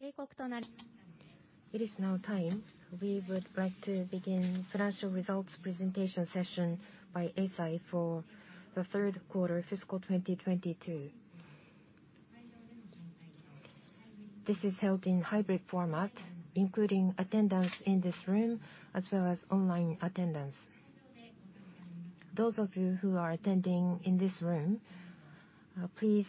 It is now time. We would like to begin financial results presentation session by Eisai for the third quarter fiscal 2022. This is held in hybrid format, including attendance in this room as well as online attendance. Those of you who are attending in this room, please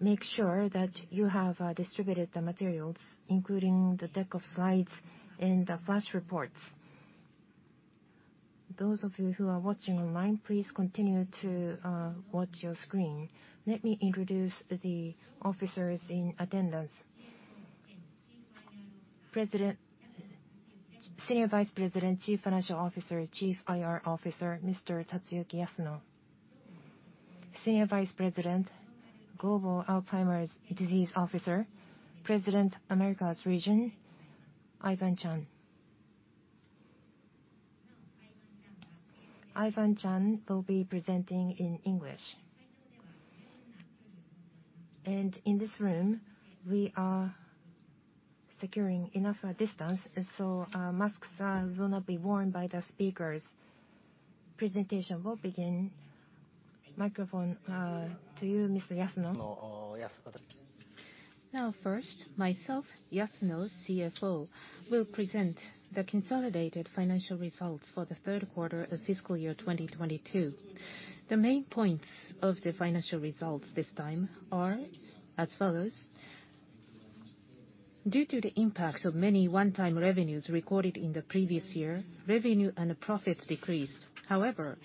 make sure that you have distributed the materials, including the deck of slides and the flash reports. Those of you who are watching online, please continue to watch your screen. Let me introduce the officers in attendance. Senior Vice President, Chief Financial Officer, Chief IR Officer, Mr. Tatsuyuki Yasuno. Senior Vice President, Global Alzheimer's Disease Officer, President, Americas Region, Ivan Cheung. Ivan Cheung will be presenting in English. In this room, we are securing enough distance and so masks will not be worn by the speakers. Presentation will begin. Microphone to you, Mr. Yasuno. Now first, myself, Yasuno, CFO, will present the consolidated financial results for the third quarter of fiscal year 2022. The main points of the financial results this time are as follows. Due to the impacts of many one-time revenues recorded in the previous year, revenue and the profits decreased. However,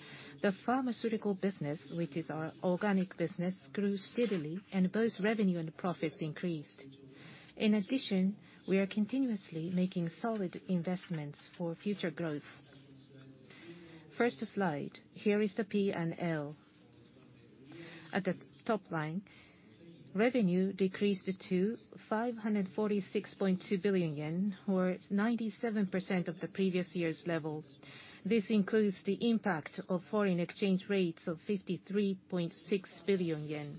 the pharmaceutical business, which is our organic business, grew steadily and both revenue and the profits increased. In addition, we are continuously making solid investments for future growth. First slide, here is the P&L. At the top line, revenue decreased to 546.2 billion yen, or 97% of the previous year's level. This includes the impact of foreign exchange rates of 53.6 billion yen.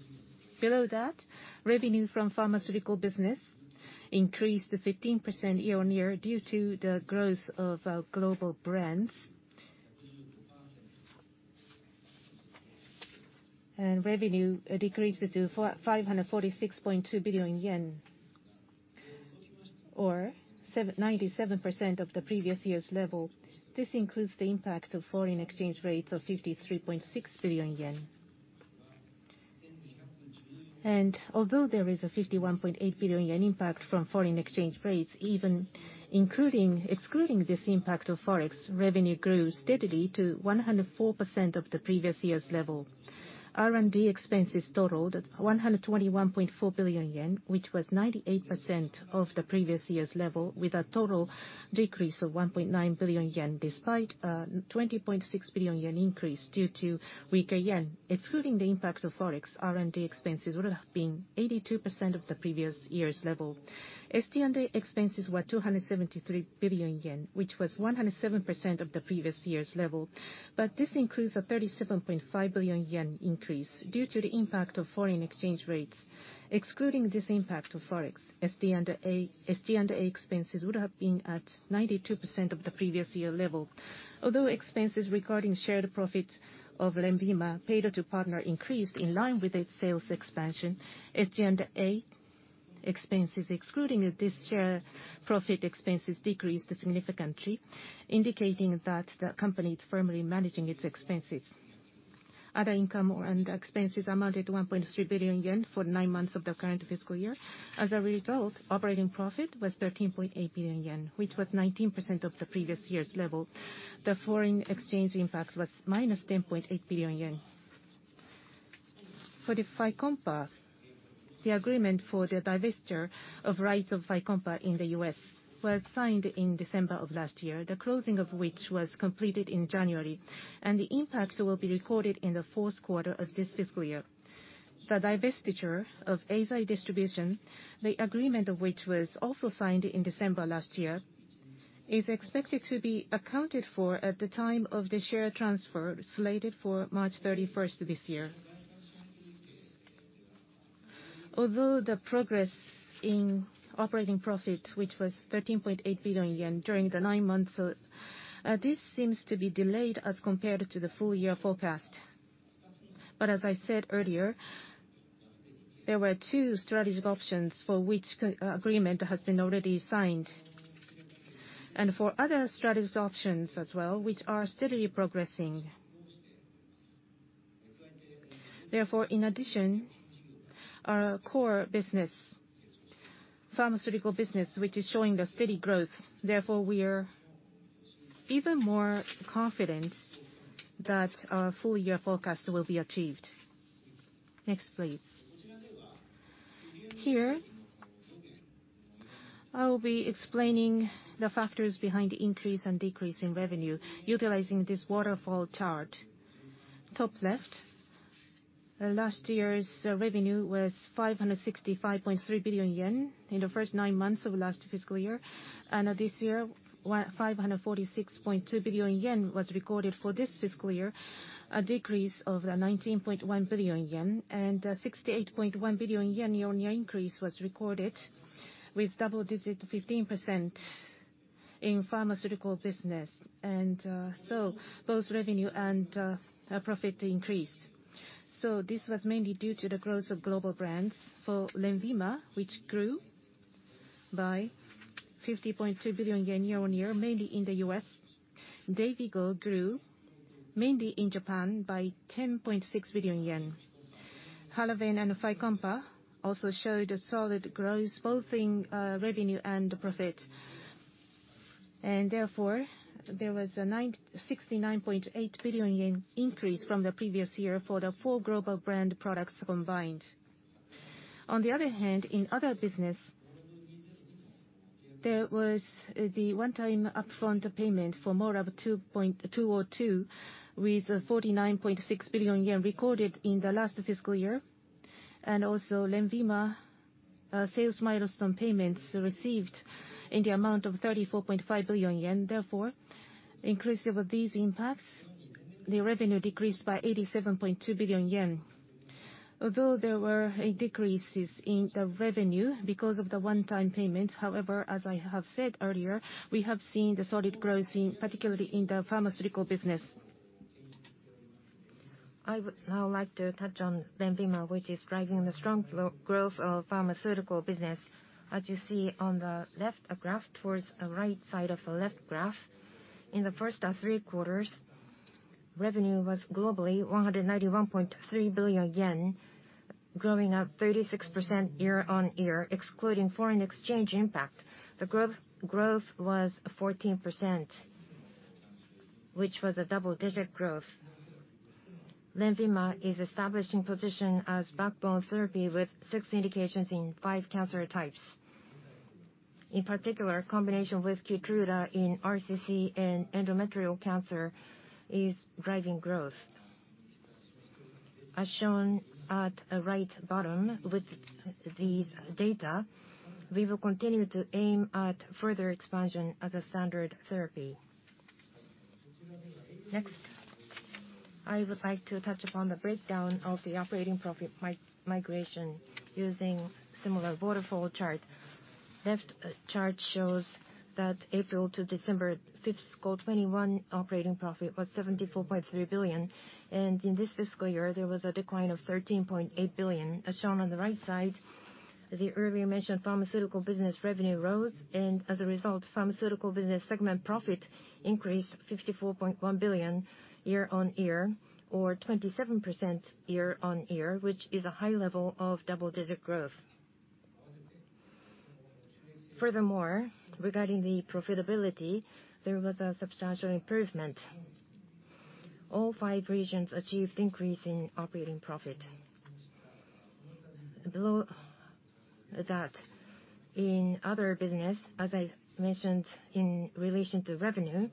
Below that, revenue from pharmaceutical business increased 15% year-on-year due to the growth of our global brands. Revenue decreased to 546.2 billion yen, or 97% of the previous year's level. This includes the impact of foreign exchange rates of 53.6 billion yen. Although there is a 51.8 billion yen impact from foreign exchange rates, even excluding this impact of Forex, revenue grew steadily to 104% of the previous year's level. R&D expenses totaled 121.4 billion yen, which was 98% of the previous year's level, with a total decrease of 1.9 billion yen, despite a 20.6 billion yen increase due to weaker yen. Excluding the impact of Forex, R&D expenses would have been 82% of the previous year's level. SG&A expenses were 273 billion yen, which was 107% of the previous year's level. This includes a 37.5 billion yen increase due to the impact of foreign exchange rates. Excluding this impact of Forex, SG&A expenses would have been at 92% of the previous year level. Although expenses regarding shared profits of LENVIMA paid out to partner increased in line with its sales expansion, SG&A expenses excluding this share profit expenses decreased significantly, indicating that the company is firmly managing its expenses. Other income or, and expenses amounted to 1.3 billion yen for nine months of the current fiscal year. As a result, operating profit was 13.8 billion yen, which was 19% of the previous year's level. The foreign exchange impact was -10.8 billion yen. For the Fycompa, the agreement for the divestiture of rights of Fycompa in the U.S. was signed in December of last year, the closing of which was completed in January, and the impact will be recorded in the fourth quarter of this fiscal year. The divestiture of Eisai Distribution, the agreement of which was also signed in December last year, is expected to be accounted for at the time of the share transfer slated for March 31st this year. Although the progress in operating profit, which was 13.8 billion yen during the nine months, this seems to be delayed as compared to the full year forecast. As I said earlier, there were two strategic options for which agreement has been already signed. For other strategic options as well, which are steadily progressing. In addition, our core business, pharmaceutical business, which is showing a steady growth, therefore, we are even more confident that our full year forecast will be achieved. Next, please. Here, I'll be explaining the factors behind increase and decrease in revenue utilizing this waterfall chart. Top left, last year's revenue was 565.3 billion yen in the nine months of last fiscal year. This year, 546.2 billion yen was recorded for this fiscal year, a decrease of 19.1 billion yen. 68.1 billion yen year-on-year increase was recorded with double-digit 15%. In pharmaceutical business. So both revenue and profit increased. This was mainly due to the growth of global brands for LENVIMA, which grew by 50.2 billion yen year-on-year, mainly in the U.S. DAYVIGO grew mainly in Japan by 10.6 billion yen. HALAVEN and Fycompa also showed a solid growth both in revenue and profit. Therefore, there was a 96.9 billion yen increase from the previous year for the four global brand products combined. On the other hand, in other business, there was the one-time upfront payment for MORAb-202 with a 49.6 billion yen recorded in the last fiscal year, and also LENVIMA sales milestone payments received in the amount of 34.5 billion yen. Therefore, increase of these impacts, the revenue decreased by 87.2 billion yen. Although there were decreases in the revenue because of the one-time payments, as I have said earlier, we have seen the solid growth in, particularly in the pharmaceutical business. I would now like to touch on LENVIMA, which is driving the strong growth of pharmaceutical business. As you see on the left graph towards the right side of the left graph, in the first three quarters, revenue was globally 191.3 billion yen, growing up 36% year-on-year. Excluding foreign exchange impact, the growth was 14%, which was a double-digit growth. LENVIMA is establishing position as backbone therapy with six indications in five cancer types. In particular, combination with KEYTRUDA in RCC and endometrial cancer is driving growth. As shown at the right bottom with these data, we will continue to aim at further expansion as a standard therapy. Next, I would like to touch upon the breakdown of the operating profit migration using similar waterfall chart. Left chart shows that April to December fiscal 2021 operating profit was 74.3 billion. In this fiscal year, there was a decline of 13.8 billion. As shown on the right side, the earlier mentioned Pharmaceutical business revenue rose. As a result, Pharmaceutical business segment profit increased 54.1 billion year-on-year or 27% year-on-year, which is a high level of double-digit growth. Regarding the profitability, there was a substantial improvement. All five regions achieved increase in operating profit. Below that, in other business, as I mentioned in relation to revenue,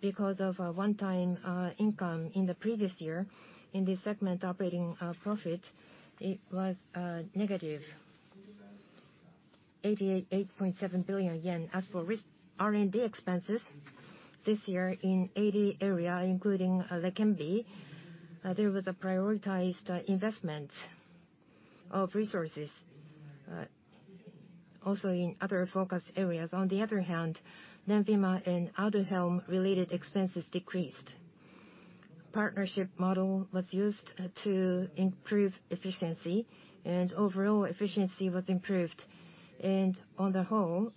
because of a one-time income in the previous year, in this segment operating profit, it was negative 88.7 billion yen. As for R&D expenses, this year in AD area, including LEQEMBI, there was a prioritized investment of resources, also in other focus areas. On the other hand, LENVIMA and Aduhelm related expenses decreased. Partnership model was used to improve efficiency, overall efficiency was improved. On the whole,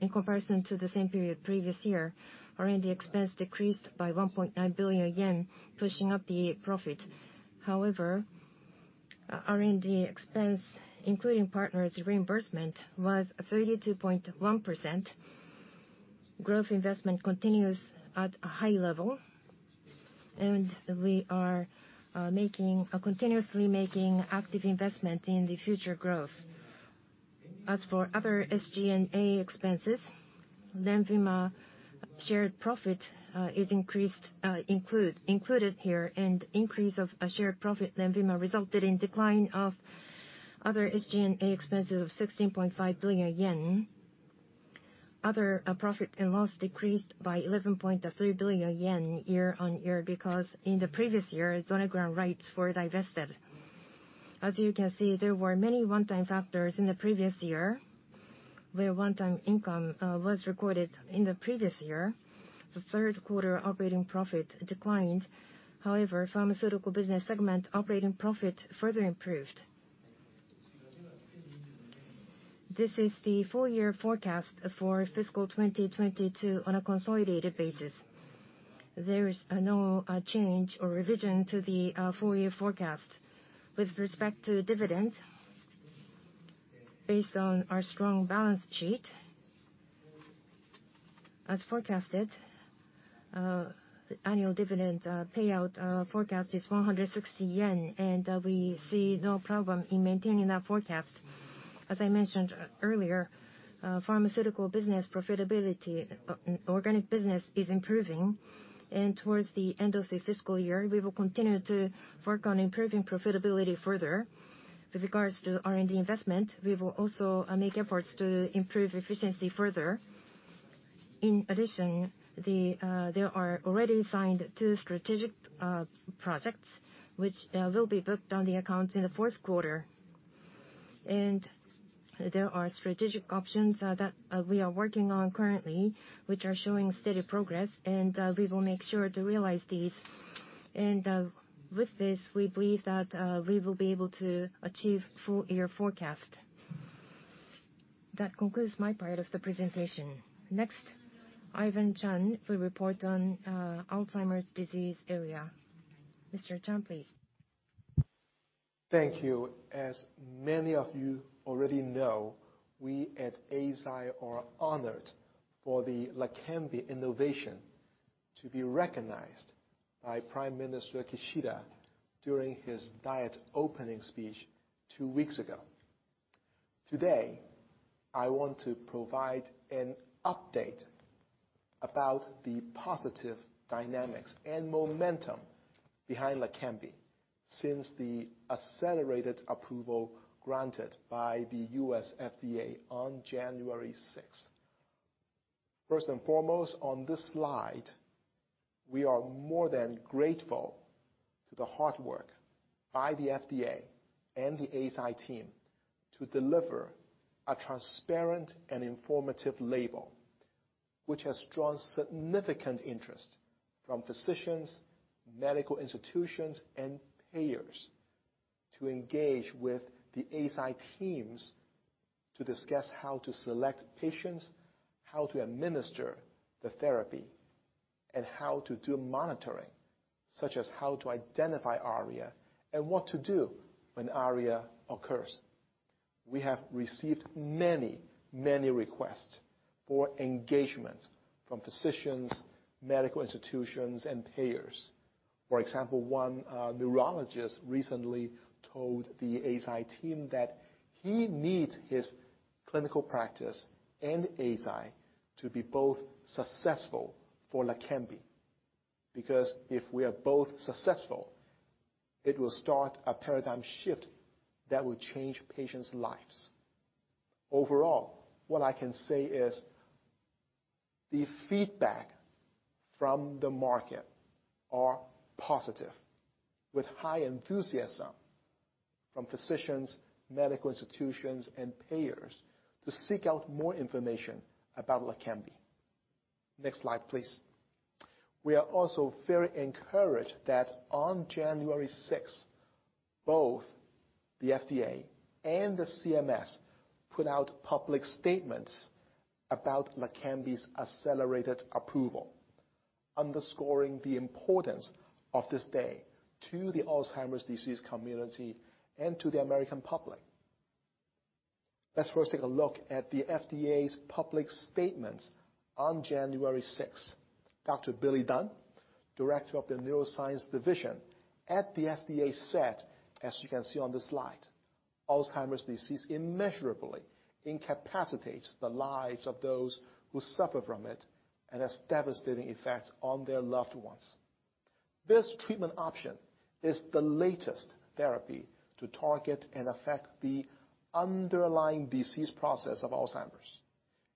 in comparison to the same period previous year, R&D expense decreased by 1.9 billion yen, pushing up the profit. However, R&D expense including partners reimbursement was 32.1%. Growth investment continues at a high level, we are continuously making active investment in the future growth. As for other SG&A expenses, LENVIMA shared profit is increased, included here, increase of a shared profit LENVIMA resulted in decline of other SG&A expenses of 16.5 billion yen. Other profit and loss decreased by 11.3 billion yen year-on-year because in the previous year, Zonegran rights were divested. As you can see, there were many one-time factors in the previous year where one-time income was recorded in the previous year. The third quarter operating profit declined. However, pharmaceutical business segment operating profit further improved. This is the full year forecast for fiscal 2022 on a consolidated basis. There is no change or revision to the full year forecast. With respect to dividends based on our strong balance sheet, as forecasted, annual dividend payout forecast is 160 yen, and we see no problem in maintaining that forecast. As I mentioned earlier, pharmaceutical business profitability, organic business is improving. Towards the end of the fiscal year, we will continue to work on improving profitability further. With regards to R&D investment, we will also make efforts to improve efficiency further. In addition, there are already signed two strategic projects which will be booked on the accounts in the fourth quarter. There are strategic options that we are working on currently, which are showing steady progress, and we will make sure to realize these. With this, we believe that we will be able to achieve full year forecast. That concludes my part of the presentation. Next, Ivan Cheung will report on Alzheimer's disease area. Mr. Cheung, please. Thank you. As many of you already know, we at Eisai are honored for the LEQEMBI innovation to be recognized by Prime Minister Kishida during his Diet opening speech two weeks ago. Today, I want to provide an update about the positive dynamics and momentum behind LEQEMBI since the accelerated approval granted by the U.S. FDA on January 6th. First and foremost, on this slide, we are more than grateful to the hard work by the FDA and the Eisai team to deliver a transparent and informative label, which has drawn significant interest from physicians, medical institutions, and payers to engage with the Eisai teams to discuss how to select patients, how to administer the therapy, and how to do monitoring, such as how to identify ARIA and what to do when ARIA occurs. We have received many, many requests for engagements from physicians, medical institutions, and payers. For example, one neurologist recently told the Eisai team that he needs his clinical practice and Eisai to be both successful for LEQEMBI because if we are both successful, it will start a paradigm shift that will change patients' lives. Overall, what I can say is the feedback from the market are positive, with high enthusiasm from physicians, medical institutions and payers to seek out more information about LEQEMBI. Next slide, please. We are also very encouraged that on January sixth, both the FDA and the CMS put out public statements about LEQEMBI's accelerated approval, underscoring the importance of this day to the Alzheimer's disease community and to the American public. Let's first take a look at the FDA's public statements on January 6th. Dr. Billy Dunn, Director of the Neuroscience Division at the FDA, said, as you can see on the slide, "Alzheimer's disease immeasurably incapacitates the lives of those who suffer from it and has devastating effects on their loved ones. This treatment option is the latest therapy to target and affect the underlying disease process of Alzheimer's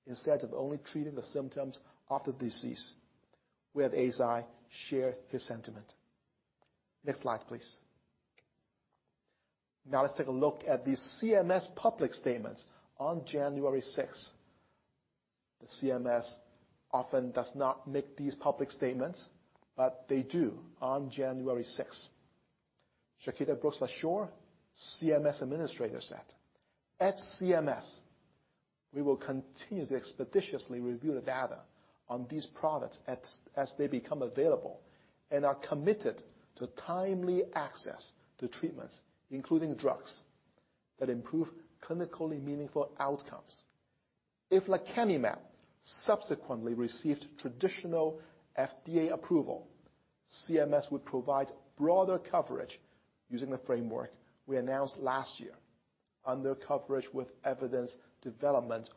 instead of only treating the symptoms of the disease." We at Eisai share his sentiment. Next slide, please. Now let's take a look at the CMS public statements on January 6th. The CMS often does not make these public statements, but they do on January 6th. Chiquita Brooks-LaSure, CMS Administrator, said, "At CMS, we will continue to expeditiously review the data on these products as they become available and are committed to timely access to treatments, including drugs, that improve clinically meaningful outcomes." If lecanemab subsequently received traditional FDA approval, CMS would provide broader coverage using the framework we announced last year under Coverage with Evidence Development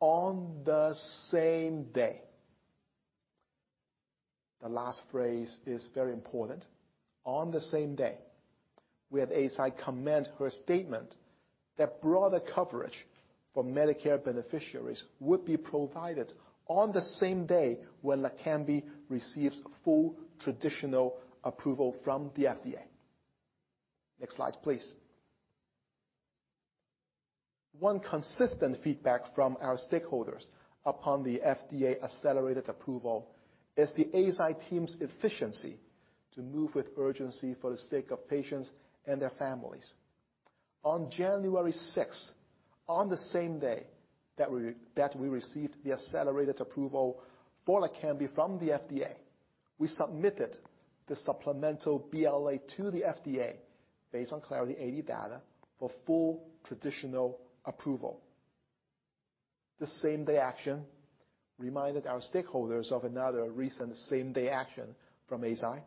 on the same day. The last phrase is very important. On the same day. We at Eisai commend her statement that broader coverage for Medicare beneficiaries would be provided on the same day when LEQEMBI receives full Traditional Approval from the FDA. Next slide, please. One consistent feedback from our stakeholders upon the FDA accelerated approval is the Eisai team's efficiency to move with urgency for the sake of patients and their families. On January 6th, on the same day that we received the accelerated approval for LEQEMBI from the FDA, we submitted the supplemental BLA to the FDA based on Clarity AD data for full Traditional Approval. This same-day action reminded our stakeholders of another recent same-day action from Eisai,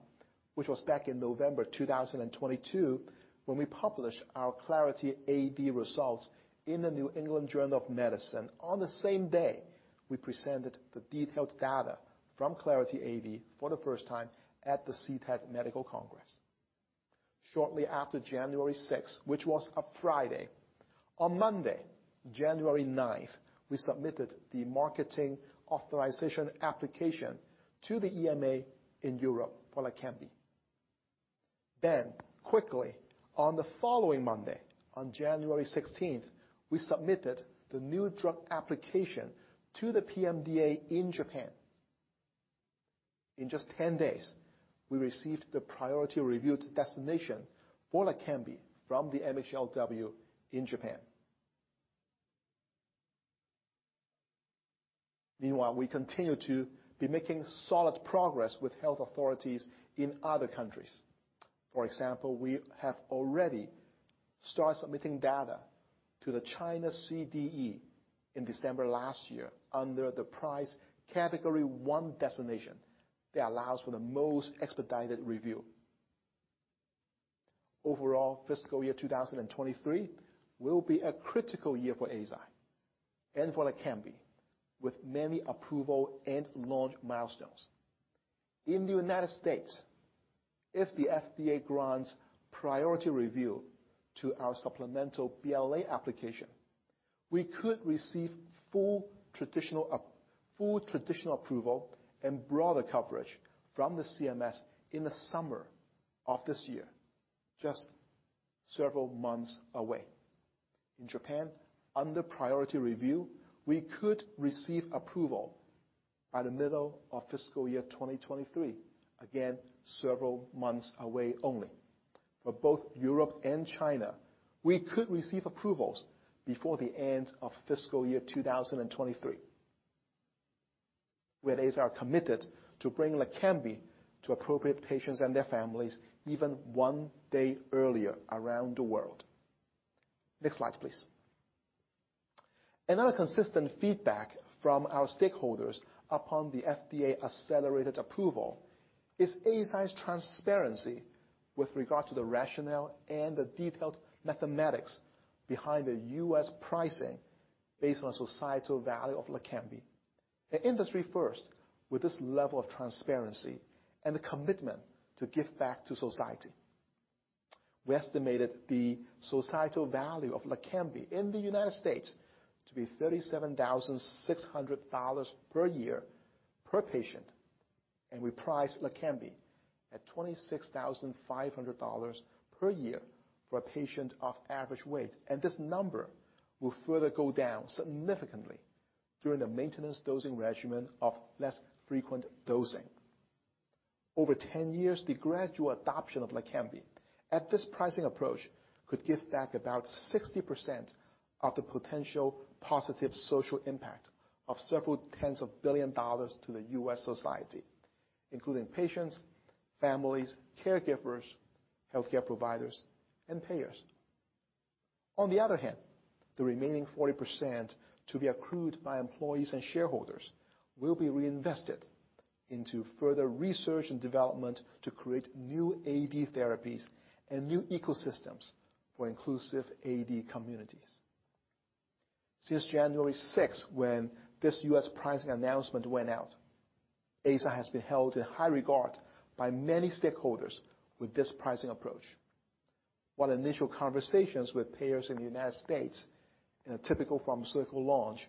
which was back in November 2022, when we published our Clarity AD results in the New England Journal of Medicine on the same day we presented the detailed data from Clarity AD for the first time at the CTAD Medical Congress. Shortly after January 6th, which was a Friday, on Monday, January 9th, we submitted the marketing authorization application to the EMA in Europe for LEQEMBI. Quickly on the following Monday, on January 16th, we submitted the new drug application to the PMDA in Japan. In just 10 days, we received the Priority Review designation for LEQEMBI from the MHLW in Japan. Meanwhile, we continue to be making solid progress with health authorities in other countries. For example, we have already started submitting data to the China CDE in December last year under the Price Category 1 designation that allows for the most expedited review. Overall, fiscal year 2023 will be a critical year for Eisai and for LEQEMBI, with many approval and launch milestones. In the United States, if the FDA grants Priority Review to our supplemental BLA application, we could receive full traditional approval and broader coverage from the CMS in the summer of this year, just several months away. In Japan, under Priority Review, we could receive approval by the middle of fiscal year 2023. Again, several months away only. For both Europe and China, we could receive approvals before the end of fiscal year 2023. We at Eisai are committed to bring LEQEMBI to appropriate patients and their families even one day earlier around the world. Next slide, please. Another consistent feedback from our stakeholders upon the FDA accelerated approval is Eisai's transparency with regard to the rationale and the detailed mathematics behind the U.S. pricing based on societal value of LEQEMBI. The industry first with this level of transparency and the commitment to give back to society. We estimated the societal value of LEQEMBI in the United States to be $37,600 per year per patient, and we price LEQEMBI at $26,500 per year for a patient of average weight. This number will further go down significantly during the maintenance dosing regimen of less frequent dosing. Over 10 years, the gradual adoption of LEQEMBI at this pricing approach could give back about 60% of the potential positive social impact of several tens of billion dollars to the U.S. society, including patients, families, caregivers, healthcare providers, and payers. The remaining 40% to be accrued by employees and shareholders will be reinvested into further research and development to create new AD therapies and new ecosystems for inclusive AD communities. Since January 6th, when this U.S. pricing announcement went out, Eisai has been held in high regard by many stakeholders with this pricing approach. While initial conversations with payers in the United States in a typical pharmaceutical launch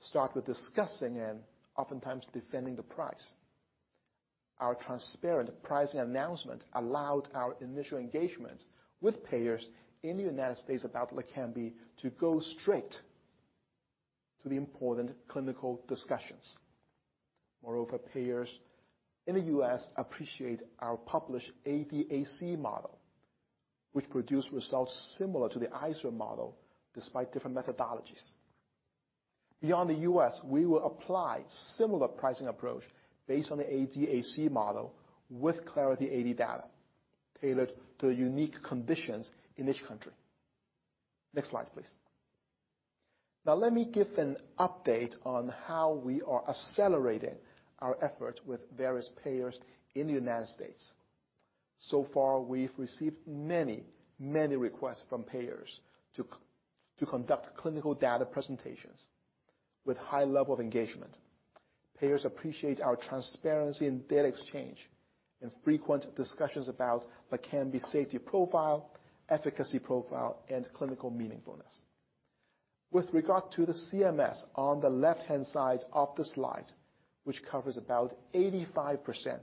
start with discussing and oftentimes defending the price, our transparent pricing announcement allowed our initial engagements with payers in the United States about LEQEMBI to go straight to the important clinical discussions. Moreover, payers in the U.S. appreciate our published ADAC model, which produced results similar to the ICER model despite different methodologies. Beyond the U.S., we will apply similar pricing approach based on the ADAC model with Clarity AD data tailored to the unique conditions in each country. Next slide, please. Now, let me give an update on how we are accelerating our efforts with various payers in the United States. So far, we've received many requests from payers to conduct clinical data presentations with high level of engagement. Payers appreciate our transparency and data exchange and frequent discussions about LEQEMBI safety profile, efficacy profile, and clinical meaningfulness. With regard to the CMS on the left-hand side of the slide, which covers about 85%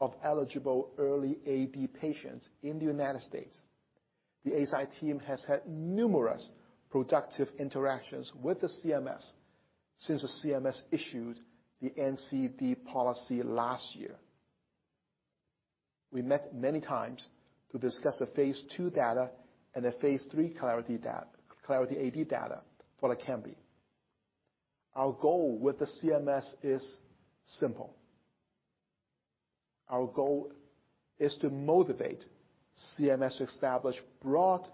of eligible early AD patients in the United States, the Eisai team has had numerous productive interactions with the CMS since the CMS issued the NCD policy last year. We met many times to discuss the phase II data and the phase III Clarity AD data for LEQEMBI. Our goal with the CMS is simple. Our goal is to motivate CMS to establish broad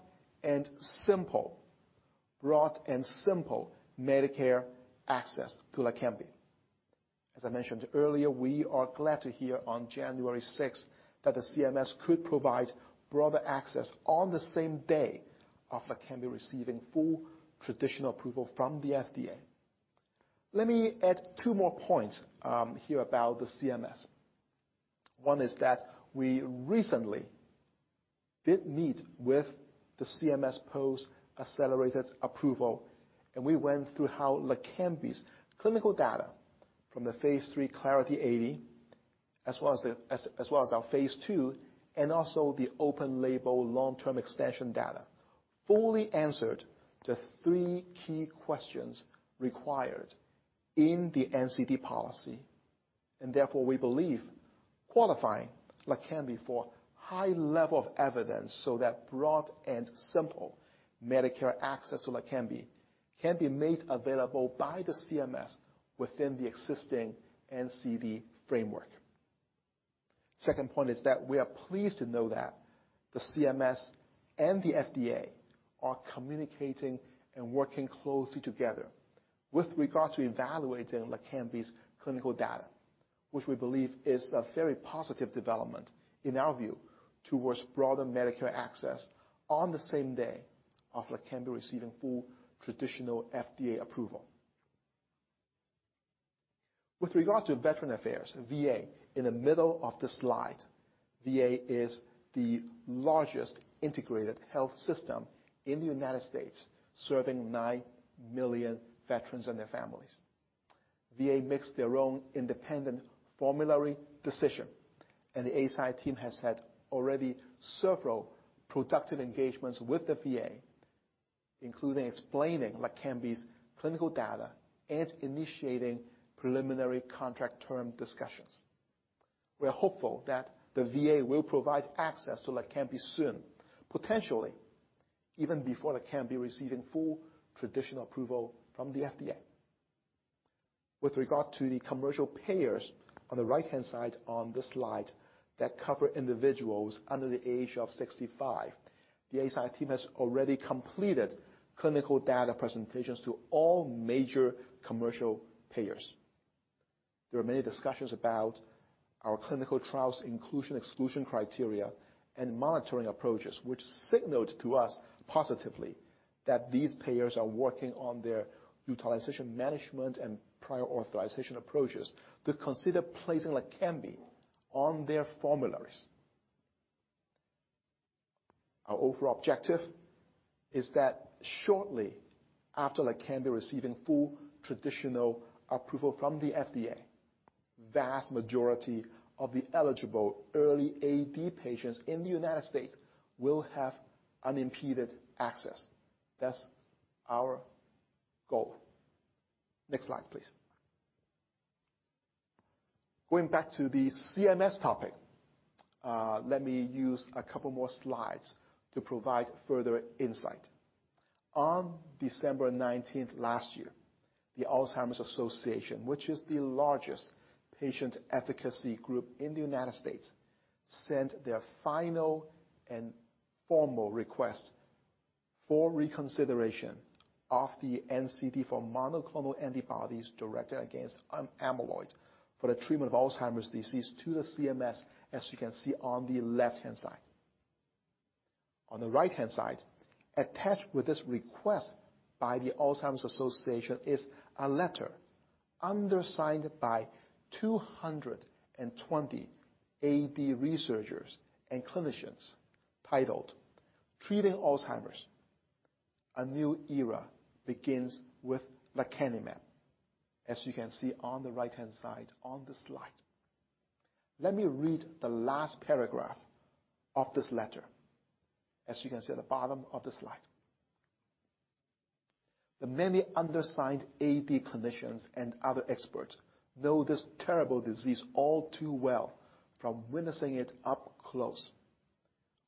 and simple Medicare access to LEQEMBI. As I mentioned earlier, we are glad to hear on January 6 that the CMS could provide broader access on the same day of LEQEMBI receiving full traditional approval from the FDA. Let me add 2 more points here about the CMS. One is that we recently did meet with the CMS post-accelerated approval, we went through how LEQEMBI's clinical data from the phase III Clarity AD, as well as the, as well as our phase II, and also the open label long-term extension data, fully answered the three key questions required in the NCD policy. Therefore, we believe qualifying LEQEMBI for high level of evidence so that broad and simple Medicare access to LEQEMBI can be made available by the CMS within the existing NCD framework. Second point is that we are pleased to know that the CMS and the FDA are communicating and working closely together with regard to evaluating LEQEMBI's clinical data, which we believe is a very positive development, in our view, towards broader Medicare access on the same day of LEQEMBI receiving full traditional FDA approval. With regard to Veteran Affairs, VA, in the middle of the slide, VA is the largest integrated health system in the United States, serving 9 million veterans and their families. VA makes their own independent formulary decision. The Eisai team has had already several productive engagements with the VA, including explaining LEQEMBI's clinical data and initiating preliminary contract term discussions. We're hopeful that the VA will provide access to LEQEMBI soon, potentially even before LEQEMBI receiving full traditional approval from the FDA. With regard to the commercial payers on the right-hand side on this slide that cover individuals under the age of 65, the Eisai team has already completed clinical data presentations to all major commercial payers. There are many discussions about our clinical trials inclusion/exclusion criteria and monitoring approaches, which signaled to us positively that these payers are working on their utilization management and prior authorization approaches to consider placing LEQEMBI on their formularies. Our overall objective is that shortly after LEQEMBI receiving full traditional approval from the FDA, vast majority of the eligible early AD patients in the United States will have unimpeded access. That's our goal. Next slide, please. Going back to the CMS topic, let me use a couple more slides to provide further insight. On December 19th last year, the Alzheimer's Association, which is the largest patient advocacy group in the United States, sent their final and formal request for reconsideration of the NCD for monoclonal antibodies directed against amyloid for the treatment of Alzheimer's disease to the CMS, as you can see on the left-hand side. On the right-hand side, attached with this request by the Alzheimer's Association is a letter undersigned by 220 AD researchers and clinicians titled Treating Alzheimer's: A New Era Begins with lecanemab, as you can see on the right-hand side on the slide. Let me read the last paragraph of this letter. As you can see at the bottom of the slide. "The many undersigned AD clinicians and other experts know this terrible disease all too well from witnessing it up close."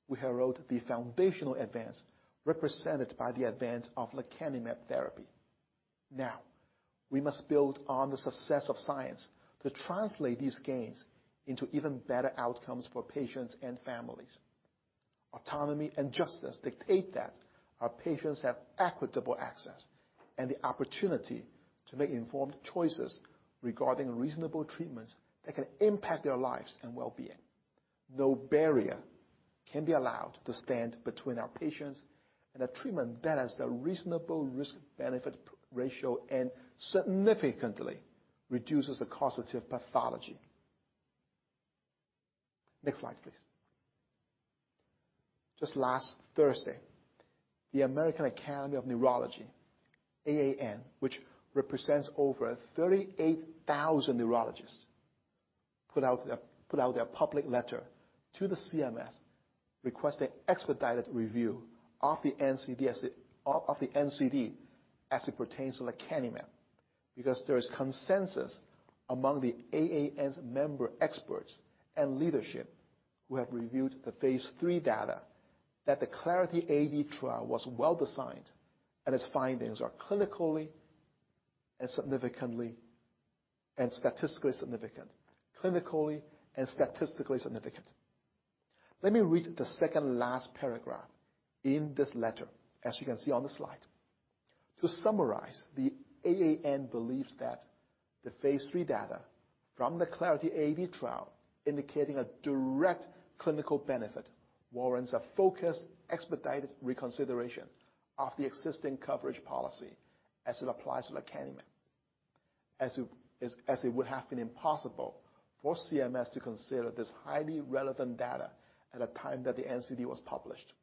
We herald the foundational advance represented by the advance of lecanemab therapy. Now, we must build on the success of science to translate these gains into even better outcomes for patients and families. Autonomy and justice dictate that our patients have equitable access and the opportunity to make informed choices regarding reasonable treatments that can impact their lives and well-being. No barrier can be allowed to stand between our patients and a treatment that has a reasonable risk-benefit pr-ratio and significantly reduces the causative pathology." Next slide, please. Just last Thursday, the American Academy of Neurology, AAN, which represents over 38,000 neurologists, put out their public letter to the CMS, requesting expedited review of the NCD as it pertains to lecanemab, because there is consensus among the AAN's member experts and leadership who have reviewed the phase III data that the Clarity AD trial was well-designed and its findings are clinically and significantly and statistically significant. Clinically and statistically significant. Let me read the second last paragraph in this letter, as you can see on the slide. To summarize, the AAN believes that the phase III data from the Clarity AD trial indicating a direct clinical benefit warrants a focused, expedited reconsideration of the existing coverage policy as it applies to lecanemab. As it would have been impossible for CMS to consider this highly relevant data at a time that the NCD was published.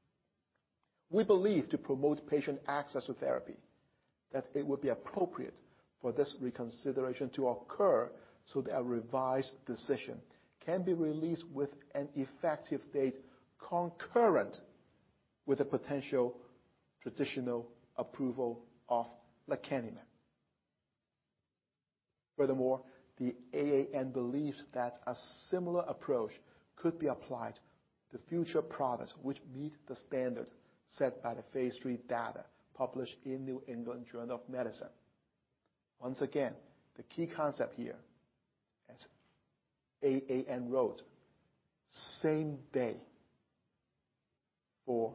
We believe to promote patient access to therapy, that it would be appropriate for this reconsideration to occur so that a revised decision can be released with an effective date concurrent with the potential Traditional Approval of Lecanemab. Furthermore, the AAN believes that a similar approach could be applied to future products which meet the standard set by the phase III data published in New England Journal of Medicine. Once again, the key concept here, as AAN wrote, same day for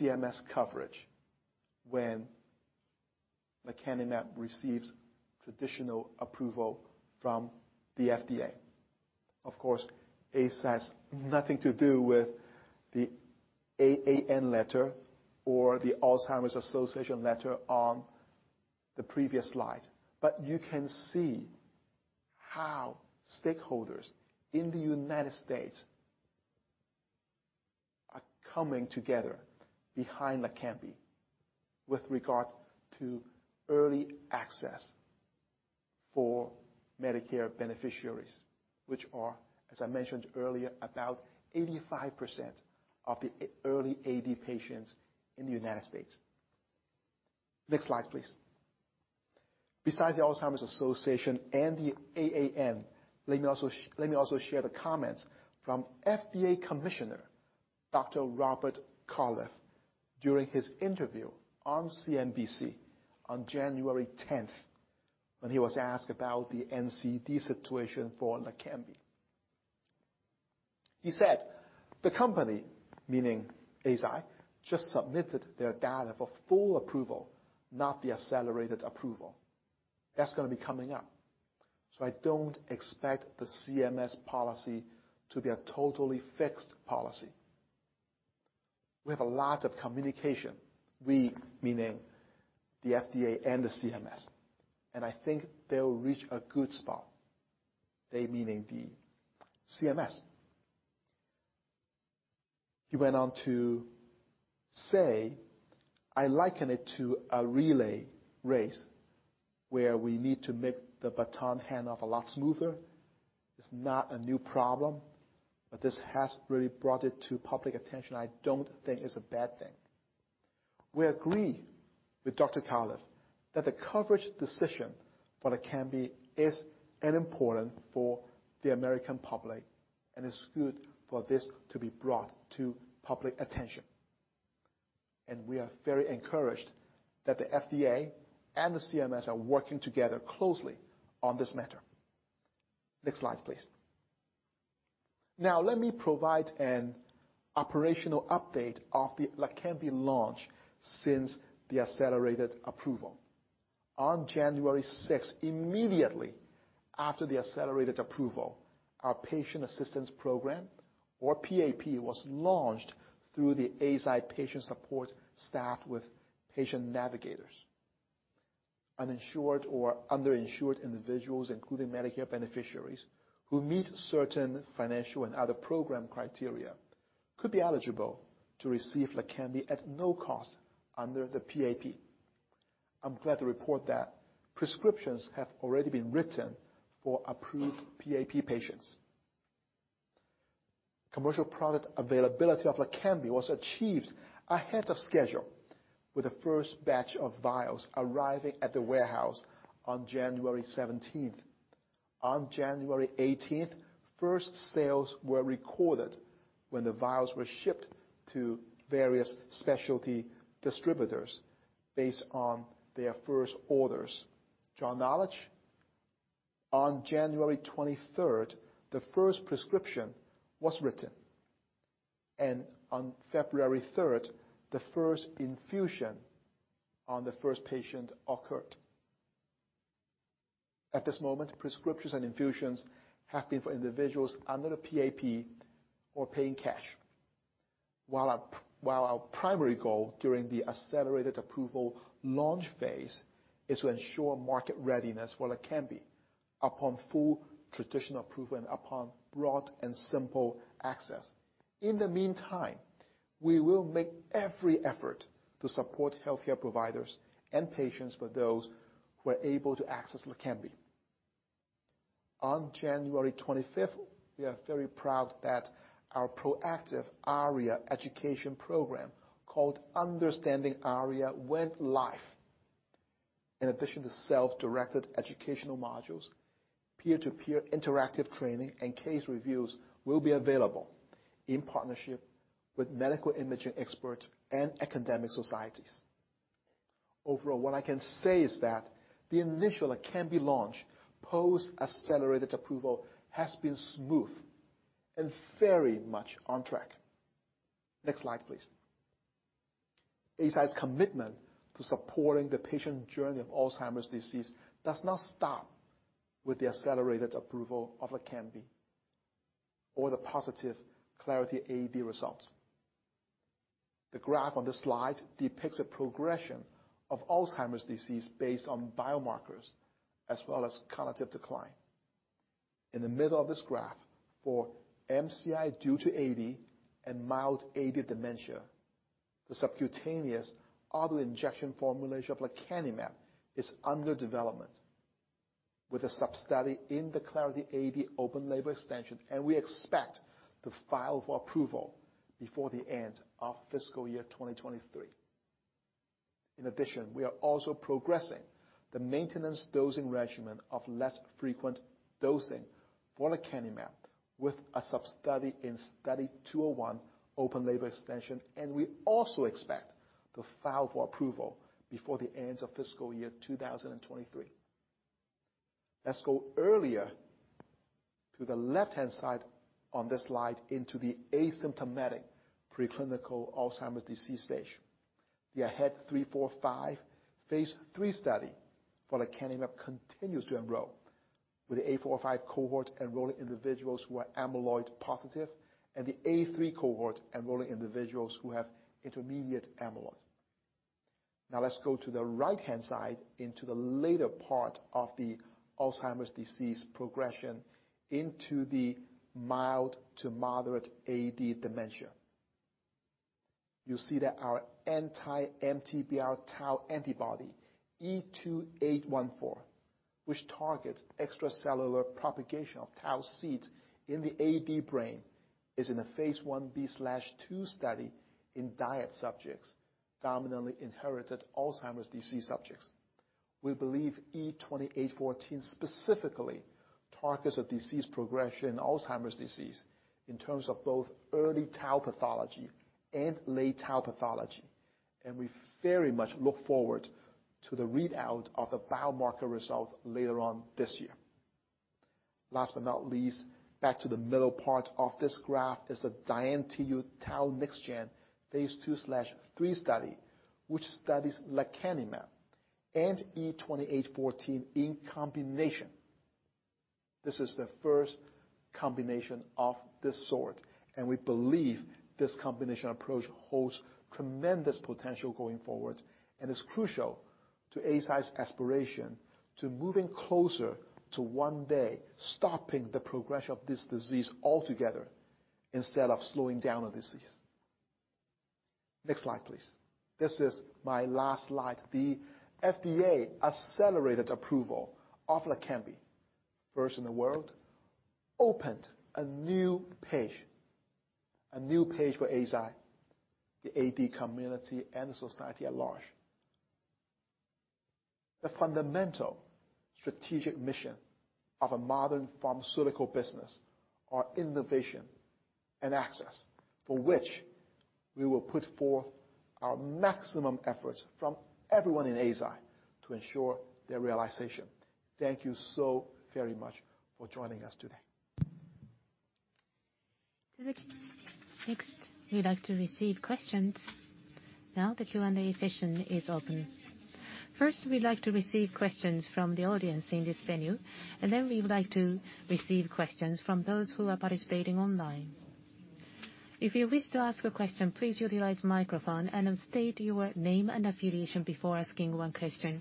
CMS coverage when lecanemab receives traditional approval from the FDA. This has nothing to do with the AAN letter or the Alzheimer's Association letter on the previous slide. You can see how stakeholders in the United States are coming together behind lecanemab with regard to early access for Medicare beneficiaries, which are, as I mentioned earlier, about 85% of the early AD patients in the United States. Next slide, please. Besides the Alzheimer's Association and the AAN, let me also share the comments from FDA Commissioner Dr. Robert Califf during his interview on CNBC on January 10th, when he was asked about the NCD situation for lecanemab. He said, "The company," meaning Eisai, "just submitted their data for full approval, not the accelerated approval. That's gonna be coming up. I don't expect the CMS policy to be a totally fixed policy. We have a lot of communication," we meaning the FDA and the CMS. "I think they'll reach a good spot." They meaning the CMS. He went on to say, "I liken it to a relay race where we need to make the baton handoff a lot smoother. It's not a new problem, but this has really brought it to public attention. I don't think it's a bad thing." We agree with Dr. Califf that the coverage decision for lecanemab is important for the American public, and it's good for this to be brought to public attention. We are very encouraged that the FDA and the CMS are working together closely on this matter. Next slide, please. Now let me provide an operational update of the lecanemab launch since the accelerated approval. On January 6th, immediately after the accelerated approval, our patient assistance program, or PAP, was launched through the Eisai patient support staffed with patient navigators. Uninsured or underinsured individuals, including Medicare beneficiaries, who meet certain financial and other program criteria, could be eligible to receive LEQEMBI at no cost under the PAP. I'm glad to report that prescriptions have already been written for approved PAP patients. Commercial product availability of LEQEMBI was achieved ahead of schedule, with the first batch of vials arriving at the warehouse on January 17th. On January 18th, first sales were recorded when the vials were shipped to various specialty distributors based on their first orders. To our knowledge, on January 23rd, the first prescription was written, and on February 3rd, the first infusion on the first patient occurred. At this moment, prescriptions and infusions have been for individuals under the PAP or paying cash. While our primary goal during the accelerated approval launch phase is to ensure market readiness for lecanemab upon full traditional approval and upon broad and simple access. In the meantime, we will make every effort to support healthcare providers and patients for those who are able to access lecanemab. On January 25th, we are very proud that our proactive ARIA education program, called Understanding ARIA. In addition to self-directed educational modules, peer-to-peer interactive training, and case reviews will be available in partnership with medical imaging experts and academic societies. Overall, what I can say is that the initial lecanemab launch post-accelerated approval has been smooth and very much on track. Next slide, please. Eisai's commitment to supporting the patient journey of Alzheimer's disease does not stop with the accelerated approval of lecanemab or the positive Clarity AD results. The graph on this slide depicts a progression of Alzheimer's disease based on biomarkers, as well as cognitive decline. In the middle of this graph for MCI due to AD and mild AD dementia, the subcutaneous auto-injection formulation of lecanemab is under development with a sub-study in the Clarity AD open label extension. We expect to file for approval before the end of fiscal year 2023. In addition, we are also progressing the maintenance dosing regimen of less frequent dosing for lecanemab with a sub-study in Study 201 open label extension. We also expect to file for approval before the end of fiscal year 2023. Let's go earlier to the left-hand side on this slide into the asymptomatic pre-clinical Alzheimer's disease stage. The AHEAD 3-45 phase III study for lecanemab continues to enroll, with the A45 cohort enrolling individuals who are amyloid positive, and the A3 cohort enrolling individuals who have intermediate amyloid. Let's go to the right-hand side into the later part of the Alzheimer's disease progression into the mild to moderate AD dementia. You see that our anti-MTBR tau antibody, E2814, which targets extracellular propagation of tau seeds in the AD brain, is in the phase I-B/II study in DIAD subjects, dominantly inherited Alzheimer's disease subjects. We believe E2814 specifically targets a disease progression in Alzheimer's disease in terms of both early tau pathology and late tau pathology, and we very much look forward to the readout of the biomarker result later on this year. Last but not least, back to the middle part of this graph is the DIAN-TU Tau NexGen phase II/III study, which studies lecanemab and E2814 in combination. This is the first combination of this sort. We believe this combination approach holds tremendous potential going forward and is crucial to Eisai's aspiration to moving closer to one day stopping the progression of this disease altogether instead of slowing down the disease. Next slide, please. This is my last slide. The FDA accelerated approval of LEQEMBI, first in the world, opened a new page, a new page for Eisai, the AD community, and society at large. The fundamental strategic mission of a modern pharmaceutical business are innovation and access, for which we will put forth our maximum efforts from everyone in Eisai to ensure their realization. Thank you so very much for joining us today. Next, we'd like to receive questions. Now the Q&A session is open. First, we'd like to receive questions from the audience in this venue, and then we would like to receive questions from those who are participating online. If you wish to ask a question, please utilize microphone and state your name and affiliation before asking one question.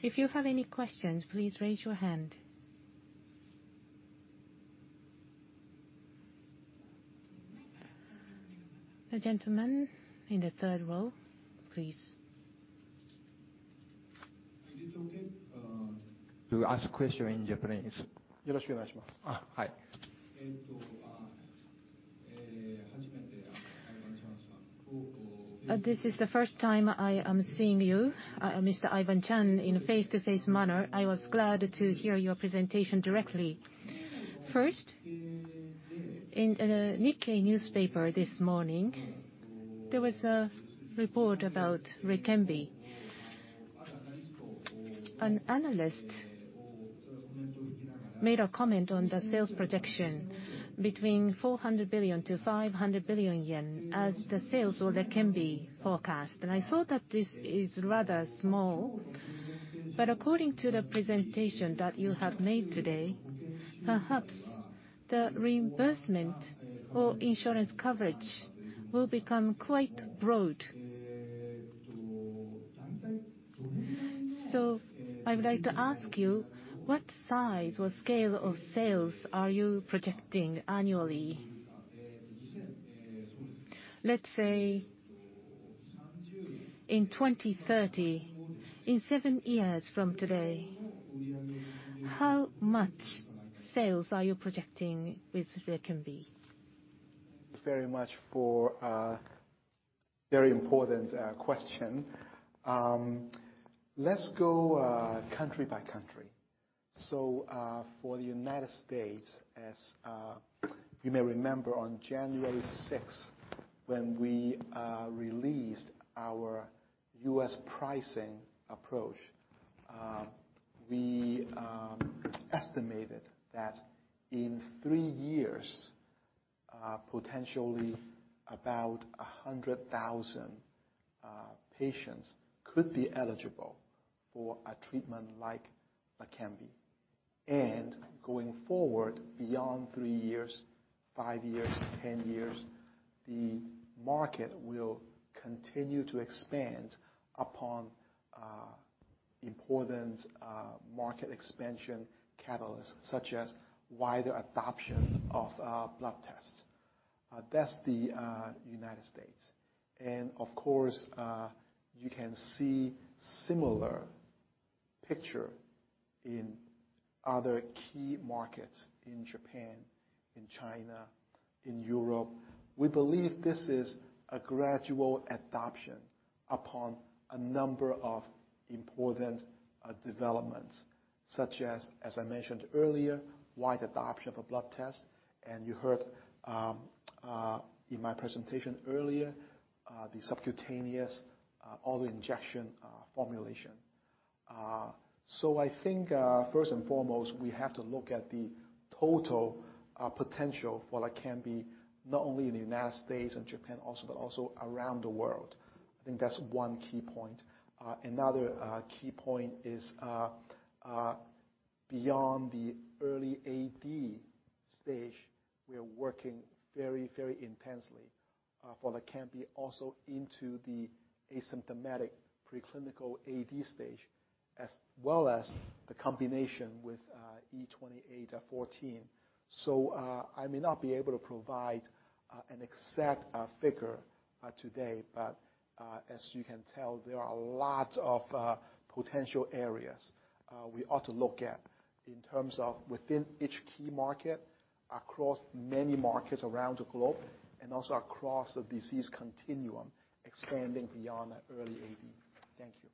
If you have any questions, please raise your hand. The gentleman in the third row, please. Is it okay to ask question in Japanese? This is the first time I am seeing you, Mr. Ivan Cheung, in face-to-face manner. I was glad to hear your presentation directly. First, in a Nikkei this morning, there was a report about LEQEMBI. An analyst made a comment on the sales projection between 400 billion-500 billion yen as the sales order can be forecast. I thought that this is rather small. According to the presentation that you have made today, perhaps the reimbursement or insurance coverage will become quite broad. I would like to ask you, what size or scale of sales are you projecting annually? Let's say in 2030, in seven years from today, how much sales are you projecting with LEQEMBI? Thank you very much for a very important question. Let's go country by country. For the United States, as you may remember on January 6 when we released our U.S. pricing approach, we estimated that in three years, potentially about 100,000 patients could be eligible for a treatment like LEQEMBI. Going forward, beyond three years, five years, 10 years, the market will continue to expand upon important market expansion catalysts, such sure as wider adoption of blood tests. That's the United States. Of course, you can see similar picture in other key markets in Japan, in China, in Europe. We believe this is a gradual adoption upon a number of important developments, such as I mentioned earlier, wide adoption of a blood test. You heard in my presentation earlier, the subcutaneous, all the injection formulation. I think first and foremost, we have to look at the total potential for LEQEMBI, not only in the United States and Japan also, but also around the world. I think that's one key point. Another key point is beyond the early AD stage, we are working very, very intensely for LEQEMBI also into the asymptomatic pre-clinical AD stage, as well as the combination with E2814. I may not be able to provide an exact figure today. As you can tell, there are a lot of potential areas we ought to look at in terms of within each key market, across many markets around the globe, and also across the disease continuum expanding beyond early AD. Thank you.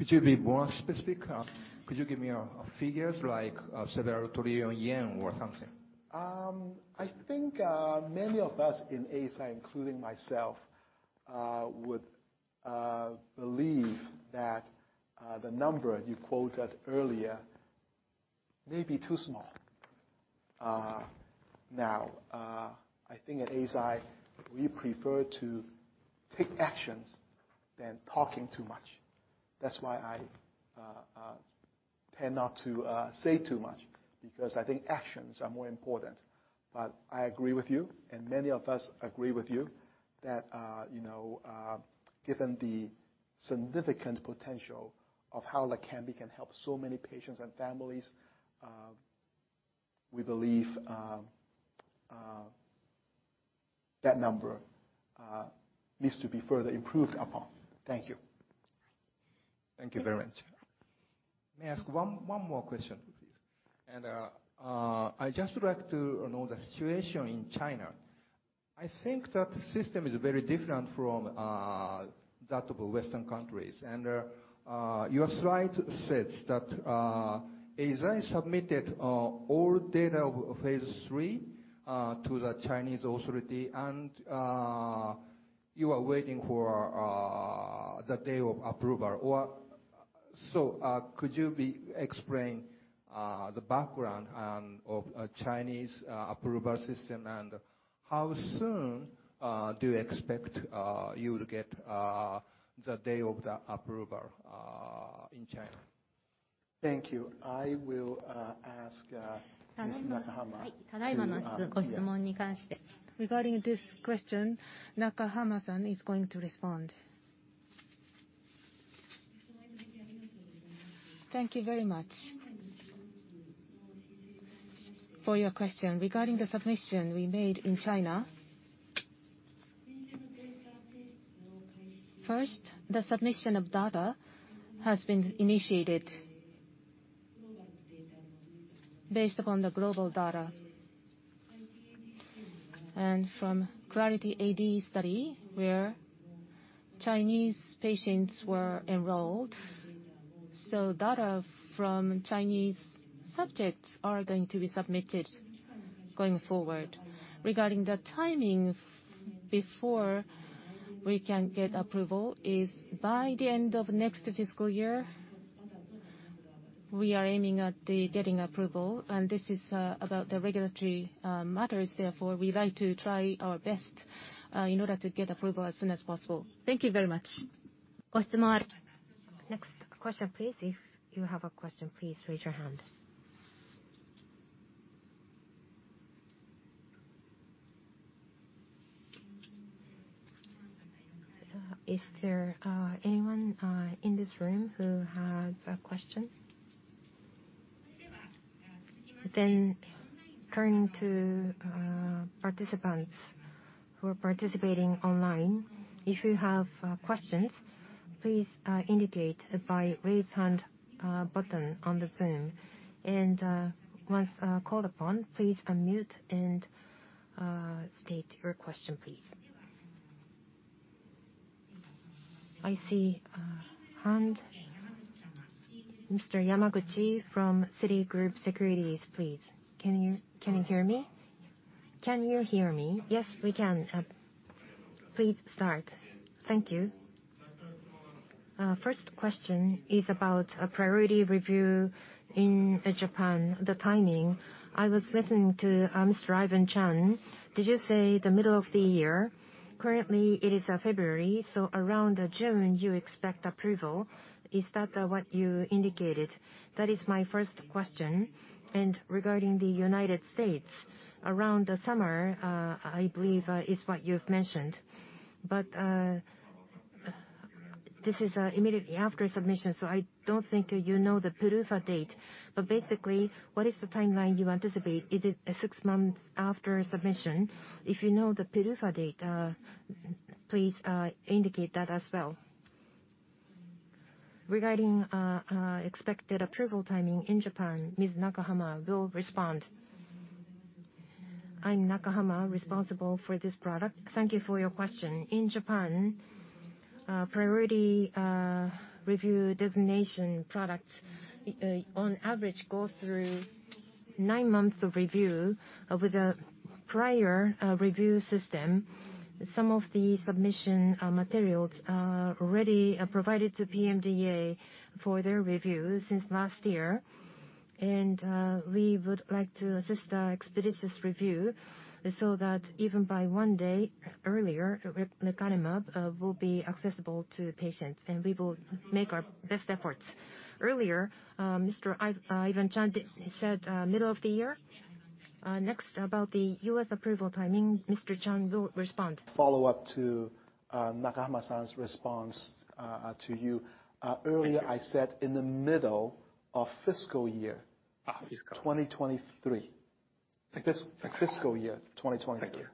Could you be more specific? could you give me, figures like, several trillion JPY or something? I think many of us in Eisai, including myself, would believe that the number you quoted earlier may be too small. I think at Eisai, we prefer to take actions than talking too much. That's why I tend not to say too much, because I think actions are more important. I agree with you, and many of us agree with you that, you know, given the significant potential of how LEQEMBI can help so many patients and families, we believe that number needs to be further improved upon. Thank you. Thank you very much. May I ask one more question, please? I'd just like to know the situation in China. Your slide says that Eisai submitted all data of phase III to the Chinese authority and you are waiting for the day of approval. Could you explain the background of Chinese approval system and how soon do you expect you'll get the day of the approval in China? Thank you. I will ask Ms. Nakahama to, yeah. Regarding this question, Nakahama-san is going to respond. Thank you very much for your question. Regarding the submission we made in China. First, the submission of data has been initiated based upon the global data and from Clarity AD study where Chinese patients were enrolled. Data from Chinese subjects are going to be submitted going forward. Regarding the timing before we can get approval is by the end of next fiscal year, we are aiming at the getting approval and this is about the regulatory matters. We like to try our best in order to get approval as soon as possible. Thank you very much. Next question, please. If you have a question, please raise your hand. Is there anyone in this room who has a question? Turning to participants who are participating online. If you have questions, please indicate by Raise Hand Button on the Zoom. Once called upon, please unmute and state your question, please. I see a hand. Mr. Yamaguchi from Citigroup Securities, please. Can you hear me? Can you hear me? Yes, we can. Please start. Thank you. First question is about a priority review in Japan, the timing. I was listening to Mr. Ivan Cheung. Did you say the middle of the year? Currently it is February, so around June you expect approval. Is that what you indicated? That is my first question. Regarding the United States, around the summer, I believe, is what you've mentioned. This is immediately after submission, so I don't think you know the PDUFA date. Basically, what is the timeline you anticipate? Is it six months after submission? If you know the PDUFA date, please indicate that as well. Regarding expected approval timing in Japan, Ms. Nakahama will respond. I'm Nakahama, responsible for this product. Thank you for your question. In Japan, priority review designation products on average go through nine months of review with the priority review system. Some of the submission materials are already provided to PMDA for their review since last year. We would like to assist a expeditious review so that even by one day earlier, lecanemab will be accessible to patients, and we will make our best efforts. Earlier, Mr. Ivan Cheung said middle of the year. Next, about the U.S. approval timing, Mr. Cheung will respond. Follow-up to Nakahama-san's response to you. Earlier I said in the middle of fiscal year- fiscal year 2023. Thank you.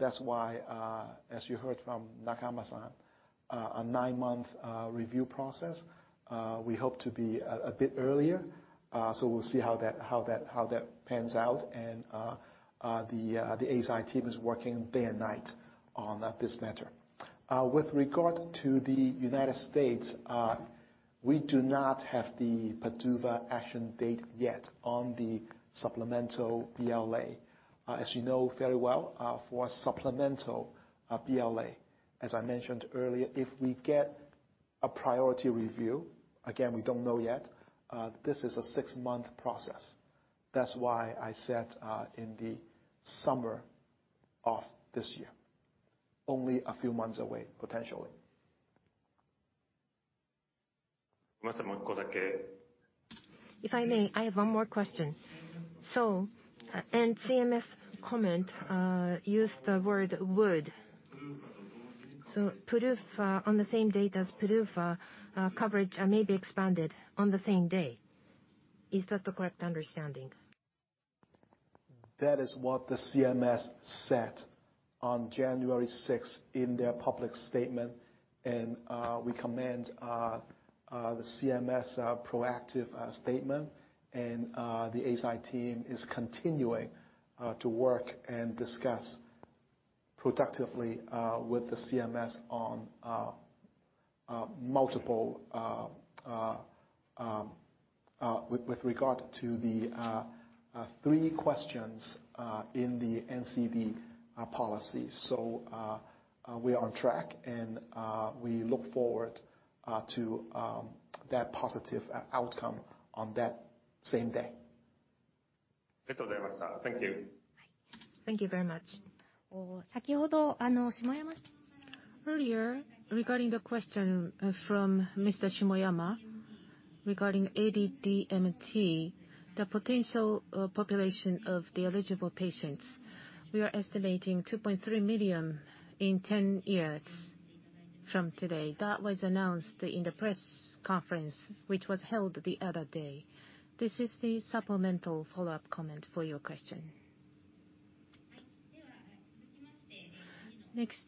That's why, as you heard from Nakahama-san, a nine-month review process. We hope to be a bit earlier, so we'll see how that pans out. The Eisai team is working day and night on this matter. With regard to the United States, we do not have the PDUFA action date yet on the supplemental BLA. As you know very well, for supplemental BLA, as I mentioned earlier, if we get a priority review, again, we don't know yet, this is a six-month process. That's why I said, in the summer of this year, only a few months away, potentially. If I may, I have one more question. CMS comment used the word would. PDUFA, on the same day as PDUFA, coverage may be expanded on the same day. Is that the correct understanding? That is what the CMS said on January 6th in their public statement, and we commend the CMS proactive statement. The Eisai team is continuing to work and discuss productively with the CMS on multiple with regard to the three questions in the NCD policy. We are on track, and we look forward to that positive outcome on that same day. Thank you. Thank you very much. Earlier, regarding the question from Mr. Shimoyama regarding AD DMT, the potential population of the eligible patients, we are estimating 2.3 million in 10 years from today. That was announced in the press conference, which was held the other day. This is the supplemental follow-up comment for your question. Next,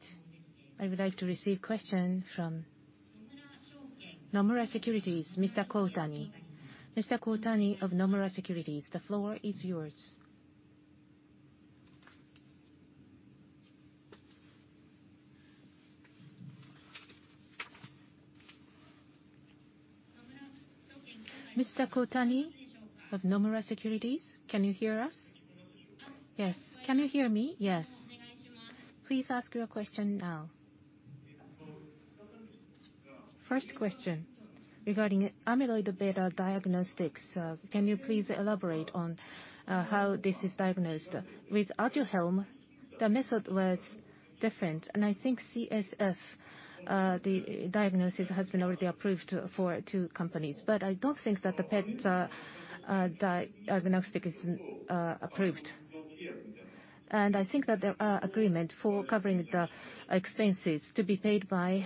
I would like to receive question from Nomura Securities, Mr. Kotani. Mr. Kotani of Nomura Securities, the floor is yours. Mr. Kotani of Nomura Securities, can you hear us? Yes. Can you hear me? Yes. Please ask your question now. First question regarding amyloid beta diagnostics. Can you please elaborate on how this is diagnosed? With Aduhelm, the method was different. I think CSF, the diagnosis has been already approved for two companies. I don't think that the PET diagnostic is approved. I think that there are agreement for covering the expenses to be paid by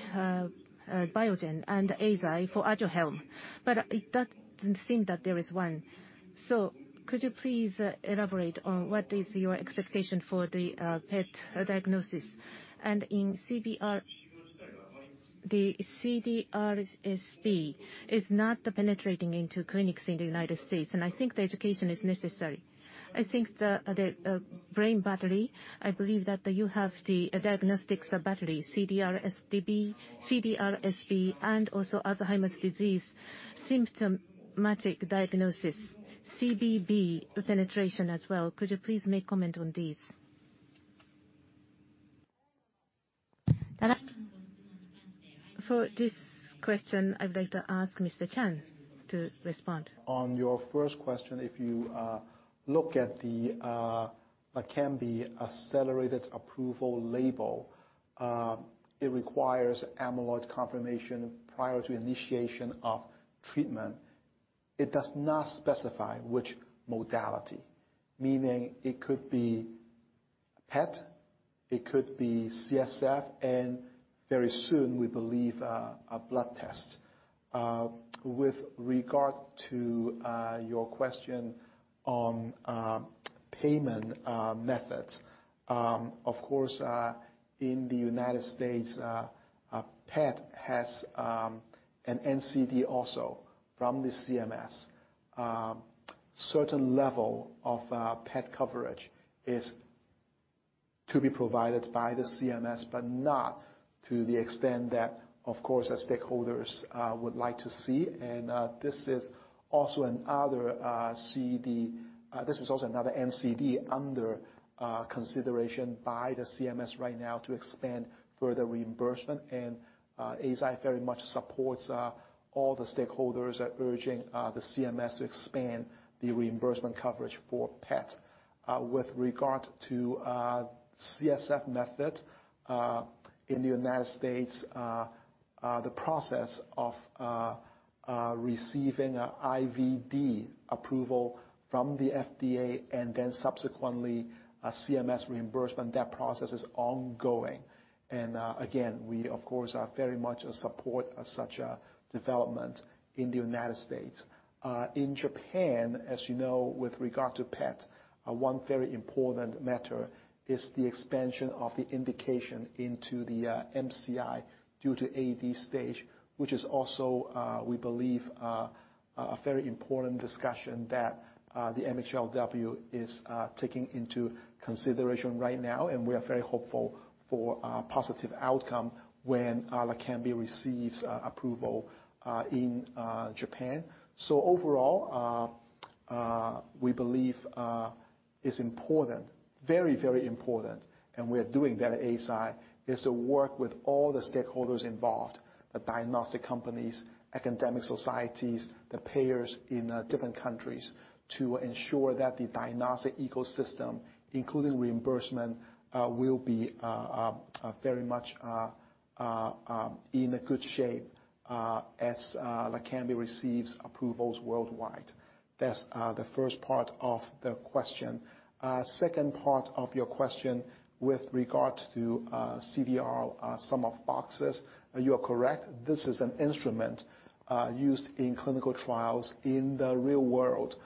Biogen and Eisai for Aduhelm, but it doesn't seem that there is one. Could you please elaborate on what is your expectation for the PET diagnosis? In CDR, the CDR-SB is not penetrating into clinics in the United States. I think the education is necessary. I think the brain battery, I believe that you have the diagnostics battery, CDR-SB, CDR-SB, and also Alzheimer's disease symptomatic diagnosis, CBB penetration as well. Could you please make comment on these? For this question, I'd like to ask Mr. Cheung to respond. On your first question, if you look at the what can be accelerated approval label, it requires amyloid confirmation prior to initiation of treatment. It does not specify which modality, meaning it could be PET, it could be CSF, and very soon, we believe, a blood test. With regard to your question on payment methods, of course, in the United States, a PET has an NCD also from the CMS. Certain level of PET coverage is to be provided by the CMS, but not to the extent that, of course, the stakeholders would like to see. This is also another NCD under consideration by the CMS right now to expand further reimbursement. Eisai very much supports all the stakeholders at urging the CMS to expand the reimbursement coverage for PET. With regard to CSF method in the United States, the process of receiving IVD approval from the FDA and then subsequently a CMS reimbursement, that process is ongoing. Again, we of course are very much a support of such a development in the United States. In Japan, as you know, with regard to PET, one very important matter is the expansion of the indication into the MCI due to AD stage, which is also, we believe, a very important discussion that the MHLW is taking into consideration right now. We are very hopeful for a positive outcome when LEQEMBI receives approval in Japan. Overall, we believe it's important, very, very important, and we're doing that at Eisai, is to work with all the stakeholders involved, the diagnostic companies, academic societies, the payers in different countries to ensure that the diagnostic ecosystem, including reimbursement, will be very much in a good shape as LEQEMBI receives approvals worldwide. That's the first part of the question. Second part of your question with regard to CDR-SB. You are correct. This is an instrument used in clinical trials in the real world.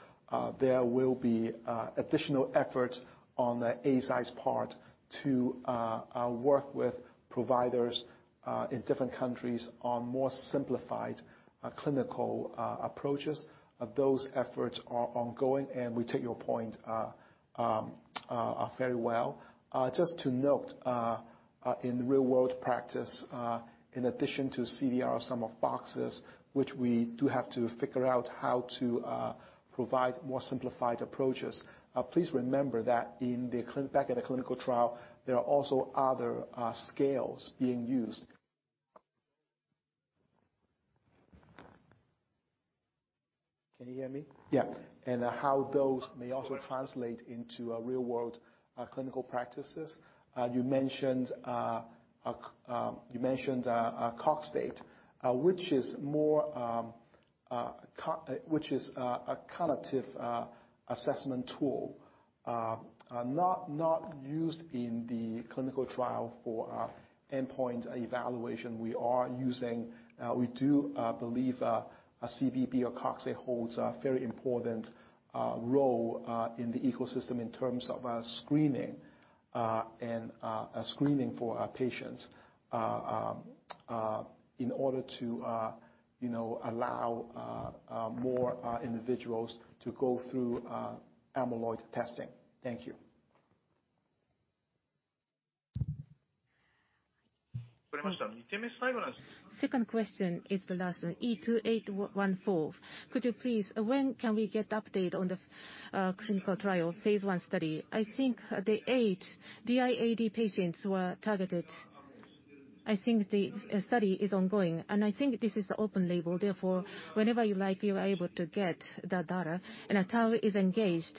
There will be additional efforts on the Eisai's part to work with providers in different countries on more simplified clinical approaches. Those efforts are ongoing, and we take your point very well. Just to note, in the real world practice, in addition to CDR Sum of Boxes, which we do have to figure out how to provide more simplified approaches, please remember that in the back at the clinical trial, there are also other scales being used. Can you hear me? Yeah. How those may also translate into a real world clinical practices. You mentioned, you mentioned, a Cogstate, which is more, which is a cognitive assessment tool, not used in the clinical trial for endpoint evaluation. We are using, we do believe a CBB or Cogstate holds a very important role in the ecosystem in terms of screening and screening for our patients, you know, in order to allow more individuals to go through amyloid testing. Thank you. Second question is the last one. E2814. Could you please, when can we get update on the clinical trial phase I study? I think the eight DIAD patients were targeted. I think the study is ongoing, I think this is the open label. Whenever you like, you are able to get the data. tau is engaged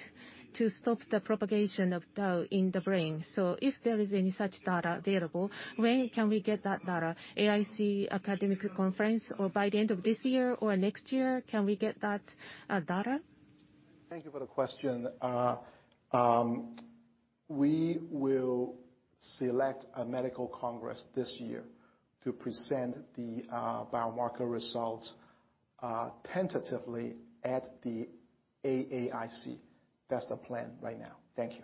to stop the propagation of tau in the brain. If there is any such data available, when can we get that data? AAIC academic conference or by the end of this year or next year, can we get that data? Thank you for the question. We will select a medical congress this year to present the biomarker results tentatively at the AAIC. That's the plan right now. Thank you.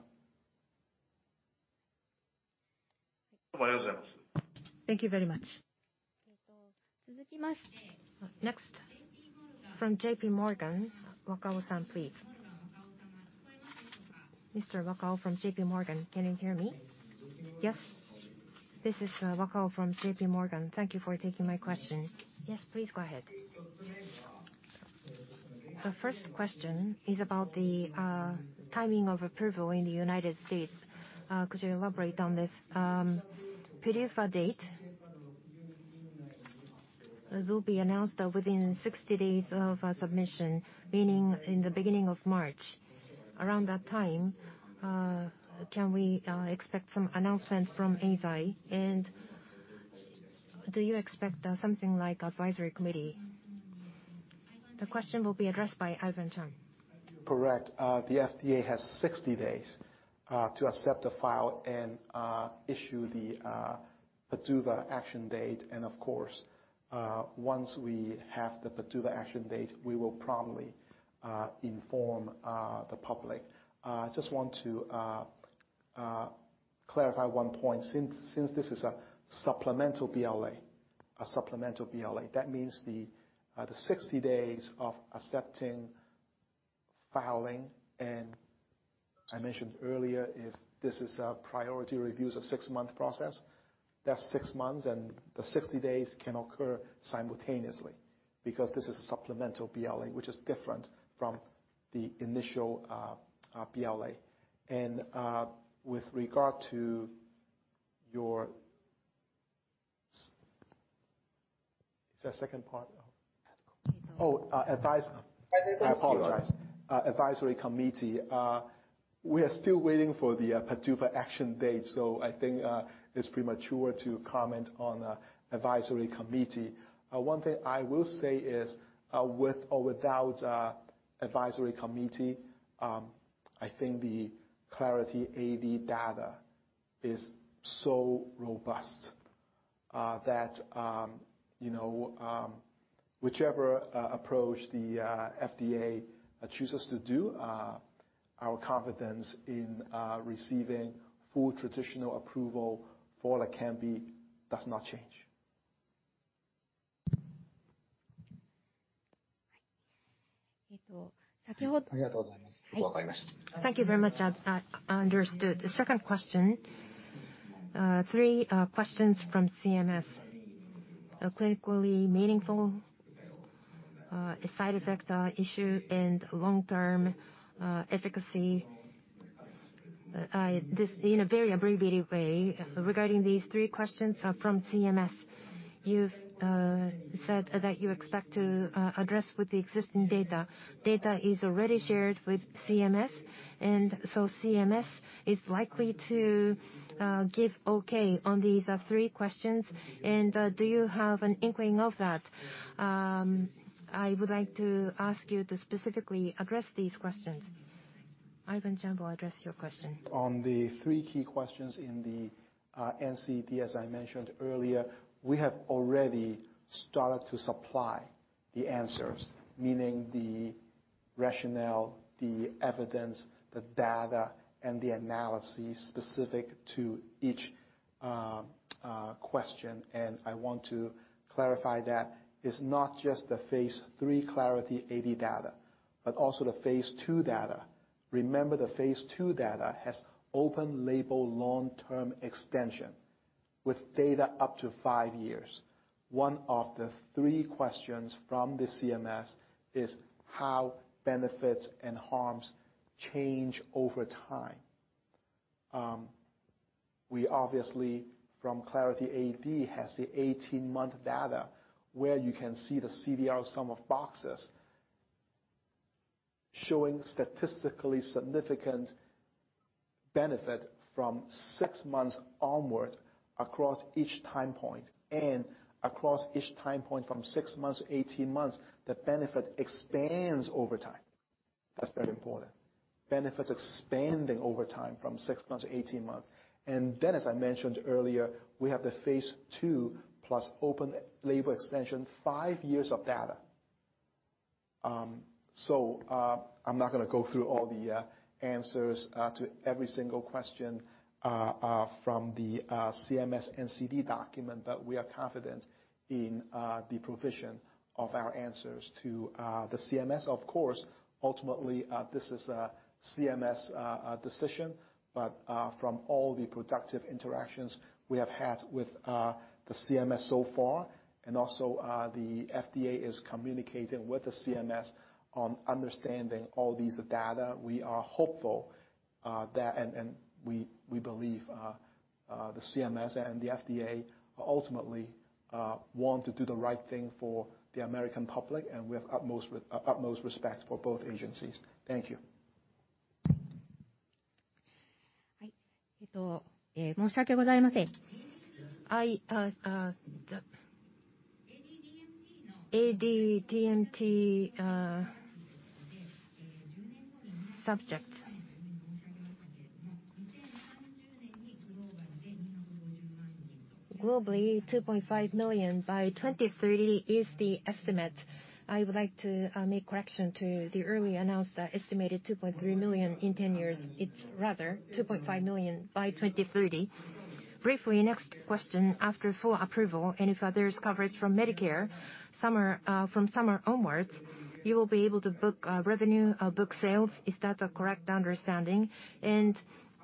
Thank you very much. Next from JPMorgan, Wakao-san, please. Mr. Wakao from JPMorgan, can you hear me? Yes. This is Wakao from JPMorgan. Thank you for taking my question. Yes, please go ahead. The first question is about the timing of approval in the United States. Could you elaborate on this PDUFA date? It will be announced within 60 days of submission, meaning in the beginning of March. Around that time, can we expect some announcement from Eisai, and do you expect something like advisory committee? The question will be addressed by Ivan Cheung. Correct. The FDA has 60 days to accept the file and issue the PDUFA action date. Of course, once we have the PDUFA action date, we will promptly inform the public. I just want to clarify one point. Since this is a supplemental BLA, that means the 60 days of accepting filing, and I mentioned earlier, if this is a priority review, it's a six-month process. That's six months, the 60 days can occur simultaneously because this is a supplemental BLA, which is different from the initial BLA. With regard to your... Is there a second part? Oh. Oh, I apologize. Advisory committee. We are still waiting for the PDUFA action date. I think it's premature to comment on advisory committee. One thing I will say is with or without advisory committee, I think the Clarity AD data is so robust that, you know, whichever approach the FDA chooses to do, our confidence in receiving full traditional approval for LEQEMBI does not change. Thank you very much. Understood. The second question, three questions from CMS. Clinically meaningful side effect issue and long-term efficacy. This in a very abbreviated way regarding these three questions from CMS. You've said that you expect to address with the existing data. Data is already shared with CMS, so CMS is likely to give okay on these three questions. Do you have an inkling of that? I would like to ask you to specifically address these questions. Ivan Cheung will address your question. On the three key questions in the NCD, as I mentioned earlier, we have already started to supply the answers, meaning the rationale, the evidence, the data, and the analysis specific to each question. I want to clarify that it's not just the phase III Clarity AD data, but also the phase II data. Remember, the phase II data has open label long-term extension with data up to five years. One of the three questions from the CMS is how benefits and harms change over time. We obviously from Clarity AD has the 18-month data where you can see the CDR Sum of Boxes showing statistically significant benefit from six months onward across each time point and across each time point from six months to 18 months, the benefit expands over time. That's very important. Benefits expanding over time from six months to 18 months. As I mentioned earlier, we have the phase II plus open label extension, five years of data. I'm not going to go through all the answers to every single question from the CMS NCD document, but we are confident in the provision of our answers to the CMS. Of course, ultimately, this is a CMS decision, but from all the productive interactions we have had with the CMS so far, and also, the FDA is communicating with the CMS on understanding all these data. We are hopeful that and we believe the CMS and the FDA ultimately want to do the right thing for the American public, and we have utmost respect for both agencies. Thank you. I the AD DMT subject. Globally, 2.5 million by 2030 is the estimate. I would like to make correction to the earlier announced estimated 2.3 million in 10 years. It's rather 2.5 million by 2030. Briefly, next question. After full approval and if there's coverage from Medicare, summer, from summer onwards, you will be able to book revenue, book sales. Is that the correct understanding?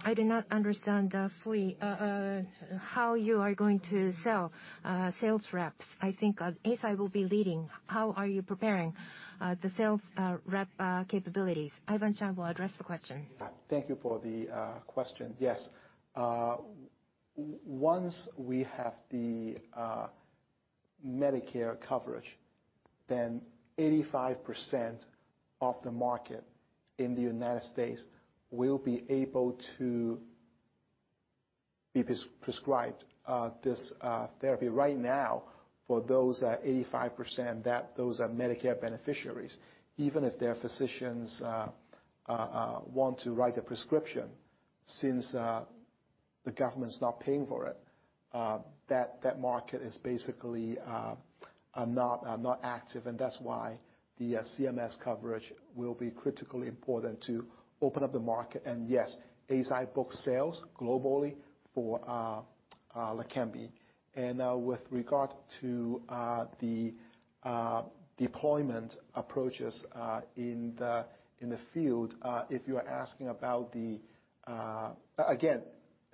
I do not understand fully how you are going to sell sales reps. I think Eisai will be leading. How are you preparing the sales rep capabilities? Ivan Cheung will address the question. Thank you for the question. Yes. Once we have the Medicare coverage, then 85% of the market in the United States will be able to be prescribed this therapy right now for those 85% that those are Medicare beneficiaries. Even if their physicians want to write a prescription, since the government's not paying for it, that market is basically not active, and that's why the CMS coverage will be critically important to open up the market. Yes, Eisai books sales globally for LEQEMBI. With regard to the deployment approaches in the field, if you are asking about the... Again,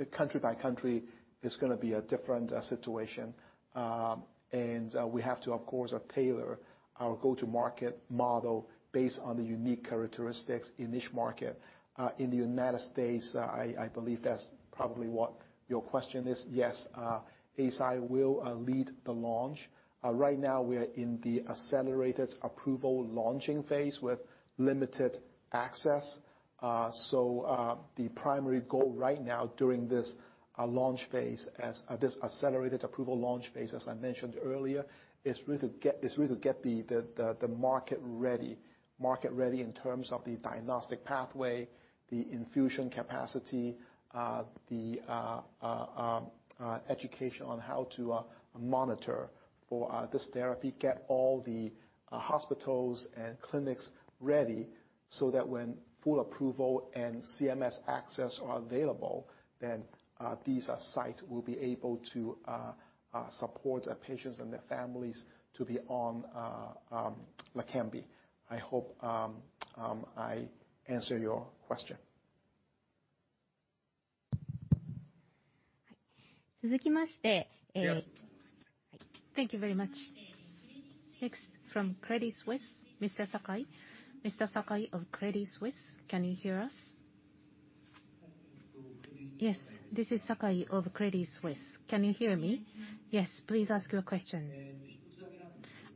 country by country is gonna be a different situation. We have to, of course, tailor our go-to market model based on the unique characteristics in each market. In the United States, I believe that's probably what your question is. Yes, Eisai will lead the launch. Right now we're in the accelerated approval launching phase with limited access. The primary goal right now during this launch phase as this accelerated approval launch phase, as I mentioned earlier, is really get the market ready. Market ready in terms of the diagnostic pathway, the infusion capacity, the education on how to monitor for this therapy. Get all the hospitals and clinics ready so that when full approval and CMS access are available, then these sites will be able to support our patients and their families to be on LEQEMBI. I hope I answer your question. Hi. Thank you very much. Next from Credit Suisse, Mr. Sakai. Mr. Sakai of Credit Suisse, can you hear us? Yes, this is Sakai of Credit Suisse. Can you hear me? Yes, please ask your question.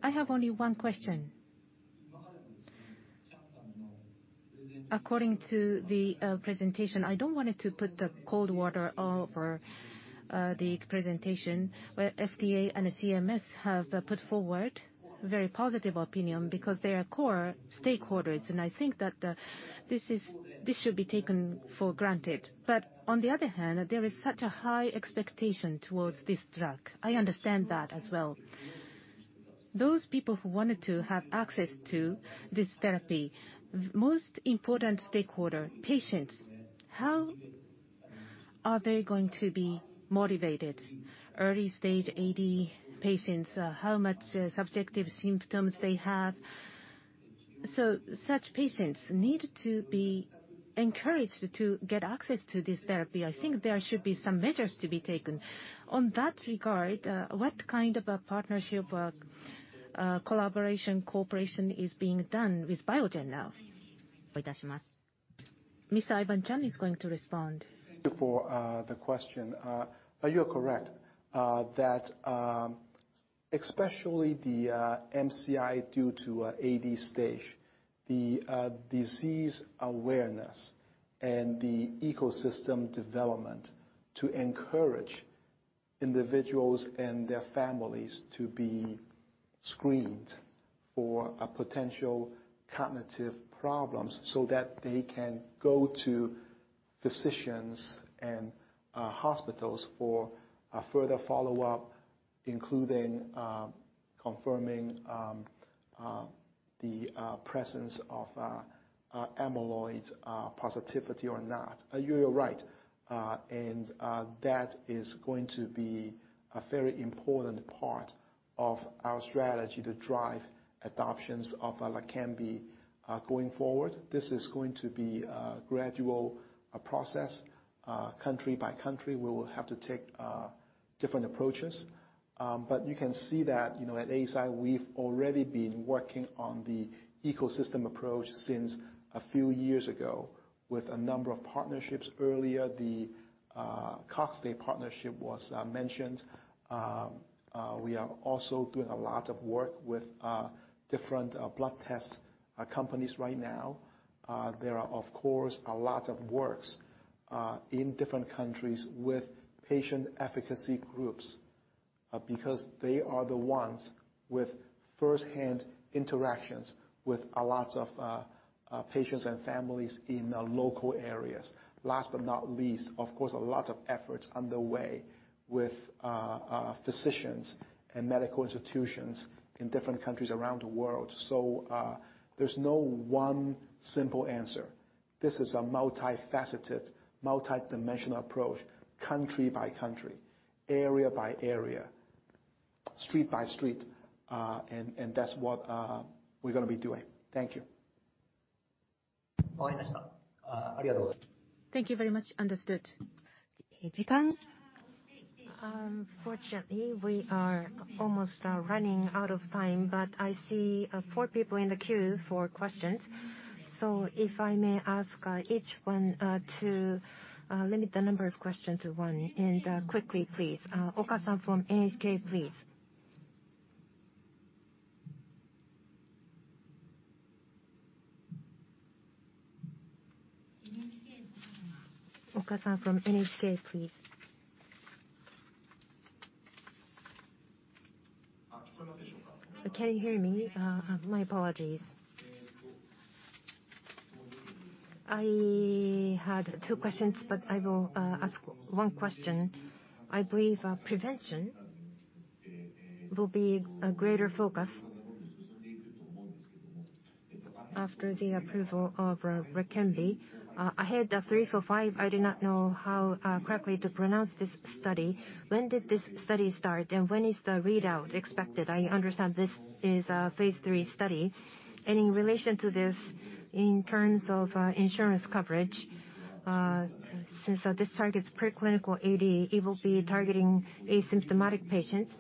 I have only one question. According to the presentation, I don't wanted to put the cold water over the presentation, where FDA and the CMS have put forward very positive opinion because they are core stakeholders, and I think that this is, this should be taken for granted. On the other hand, there is such a high expectation towards this drug. I understand that as well. Those people who wanted to have access to this therapy, most important stakeholder, patients, how are they going to be motivated? Early stage AD patients, how much subjective symptoms they have. Such patients need to be encouraged to get access to this therapy. I think there should be some measures to be taken. On that regard, what kind of a partnership, collaboration, cooperation is being done with Biogen now? Mr. Ivan Cheung is going to respond. Thank you for the question. You're correct that especially the MCI due to AD stage, the disease awareness and the ecosystem development to encourage individuals and their families to be screened for potential cognitive problems so that they can go to physicians and hospitals for a further follow-up, including confirming the presence of amyloids positivity or not. You're right. That is going to be a very important part of our strategy to drive adoptions of LEQEMBI going forward. This is going to be a gradual process. Country by country, we will have to take different approaches. You can see that, you know, at Eisai, we've already been working on the ecosystem approach since a few years ago with a number of partnerships. Earlier, the Cogstate partnership was mentioned. We are also doing a lot of work with different blood test companies right now. There are, of course, a lot of works in different countries with patient efficacy groups because they are the ones with first hand interactions with a lot of patients and families in local areas. Last but not least, of course, a lot of efforts underway with physicians and medical institutions in different countries around the world. There's no one simple answer. This is a multifaceted, multidimensional approach, country by country, area by area, street by street. That's what we're gonna be doing. Thank you. Thank you very much. Understood. Unfortunately, we are almost running out of time, but I see four people in the queue for questions. If I may ask each one to limit the number of questions to one and quickly please. Okutani from NHK, please. Okutani from NHK, please. Can you hear me? My apologies. I had two questions, but I will ask one question. I believe prevention will be a greater focus after the approval of LEQEMBI. AHEAD 3-45. I do not know how correctly to pronounce this study. When did this study start, and when is the readout expected? I understand this is a phase III study. In relation to this, in terms of insurance coverage, since this targets preclinical AD, it will be targeting asymptomatic patients.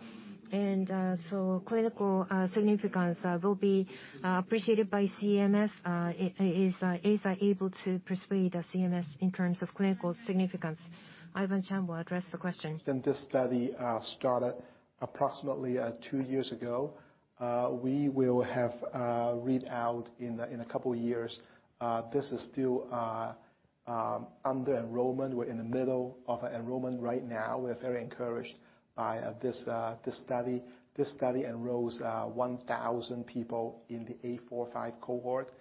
Clinical significance will be appreciated by CMS. Is Eisai able to persuade the CMS in terms of clinical significance? Ivan Cheung will address the question. This study started approximately two years ago. We will have a readout in a couple of years. This is still under enrollment. We're in the middle of enrollment right now. We're very encouraged by this study. This study enrolls 1,000 people in the A45 cohort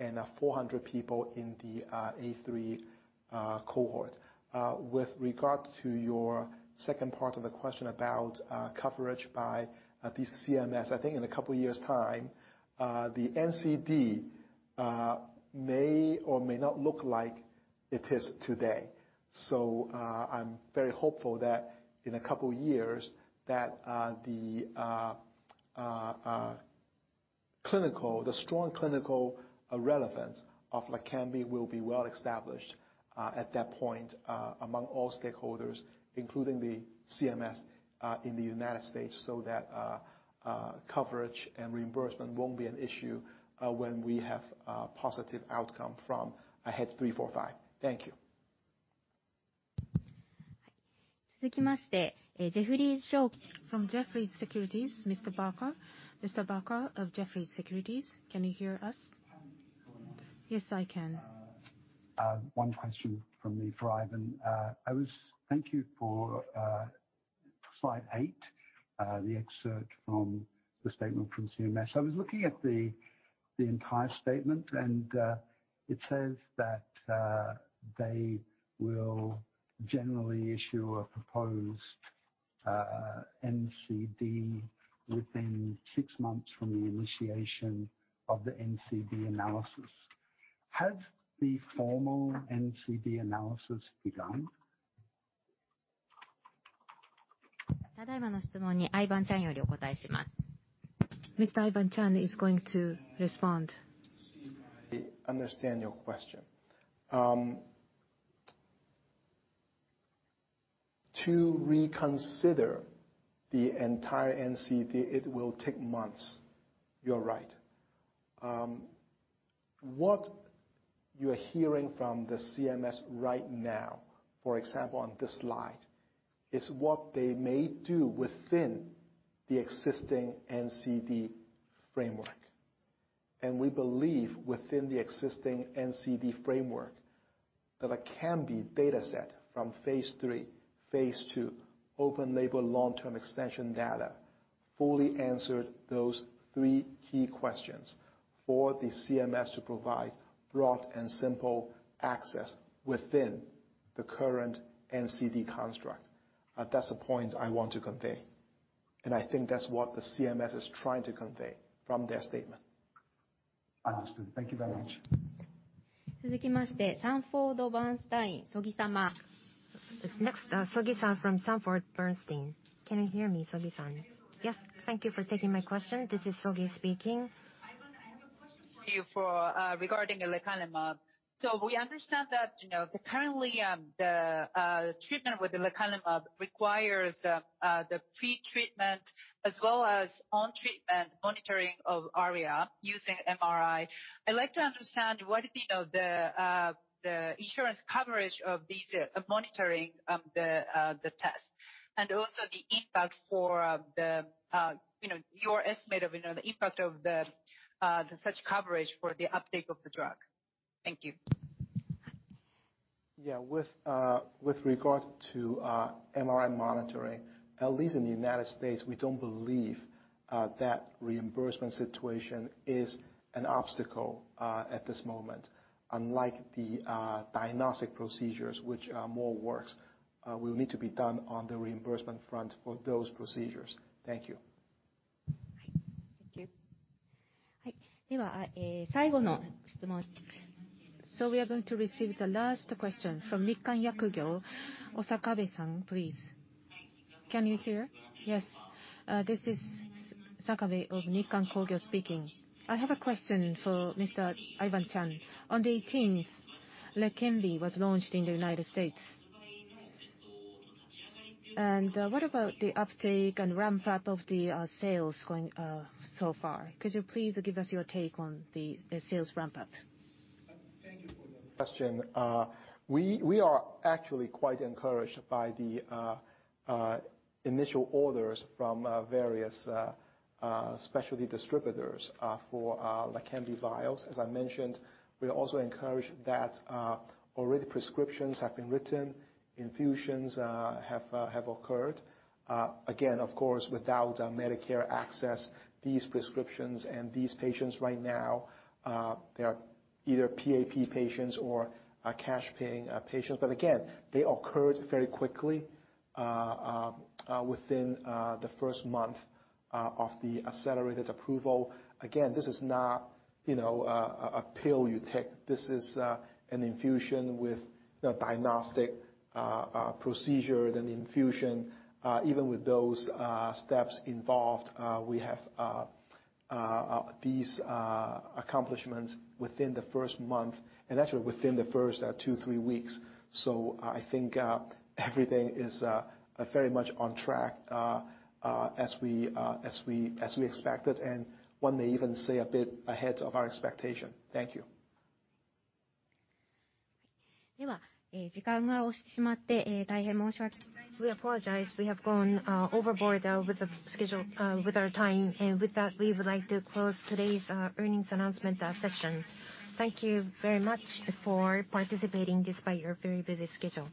and 400 people in the A3 cohort. With regard to your second part of the question about coverage by the CMS. I think in a couple years' time, the NCD may or may not look like it is today. I'm very hopeful that in a couple of years that the strong clinical relevance of LEQEMBI will be well established at that point among all stakeholders, including the CMS in the United States, that coverage and reimbursement won't be an issue when we have a positive outcome from AHEAD 3-45. Thank you. From Jefferies Securities, Mr. Barker. Mr. Barker of Jefferies Securities, can you hear us? Yes, I can. One question from me for Ivan. Thank you for slide eight, the excerpt from the statement from CMS. I was looking at the entire statement, it says that they will generally issue a proposed NCD within six months from the initiation of the NCD analysis. Has the formal NCD analysis begun? Mr. Ivan Cheung is going to respond. See if I understand your question. To reconsider the entire NCD, it will take months. You're right. What you're hearing from the CMS right now, for example, on this slide, is what they may do within the existing NCD framework. We believe within the existing NCD framework that a lecanemab dataset from phase III, phase II, open label long-term extension data, fully answered those three key questions for the CMS to provide broad and simple access within the current NCD construct. That's the point I want to convey. I think that's what the CMS is trying to convey from their statement. Understood. Thank you very much. Next, Sogi-san from Sanford C. Bernstein. Can you hear me, Sogi-san? Yes. Thank you for taking my question. This is Sogi speaking. Ivan, I have a question for you for regarding lecanemab. We understand that, you know, currently, the treatment with lecanemab requires the pretreatment as well as on treatment monitoring of ARIA using MRI. I'd like to understand what, you know, the insurance coverage of these monitoring of the test and also the impact for the, you know, your estimate of, you know, the impact of the such coverage for the uptake of the drug. Thank you. With regard to MRI monitoring, at least in the United States, we don't believe that reimbursement situation is an obstacle at this moment. Unlike the diagnostic procedures which are more works, will need to be done on the reimbursement front for those procedures. Thank you. We are going to receive the last question from Nikkan Kogyo. Sakabe-san, please. Can you hear? Yes. This is Sakabe of Nikkan Kogyo speaking. I have a question for Mr. Ivan Cheung. On the 18th, LEQEMBI was launched in the United States. What about the uptake and ramp up of the sales going so far? Could you please give us your take on the sales ramp up? Thank you for the question. We are actually quite encouraged by the initial orders from various specialty distributors for LEQEMBI vials. As I mentioned, we are also encouraged that already prescriptions have been written, infusions have occurred. Again, of course, without Medicare access, these prescriptions and these patients right now, they are either PAP patients or are cash paying patients. Again, they occurred very quickly within the first month of the accelerated approval. Again, this is not, you know, a pill you take. This is an infusion with a diagnostic procedure, then infusion. Even with those steps involved, we have these accomplishments within the first month and actually within the first two, three weeks. I think, everything is very much on track, as we expected, and one may even say a bit ahead of our expectation. Thank you. We apologize. We have gone overboard with the schedule with our time. With that, we would like to close today's earnings announcement session. Thank you very much for participating despite your very busy schedule.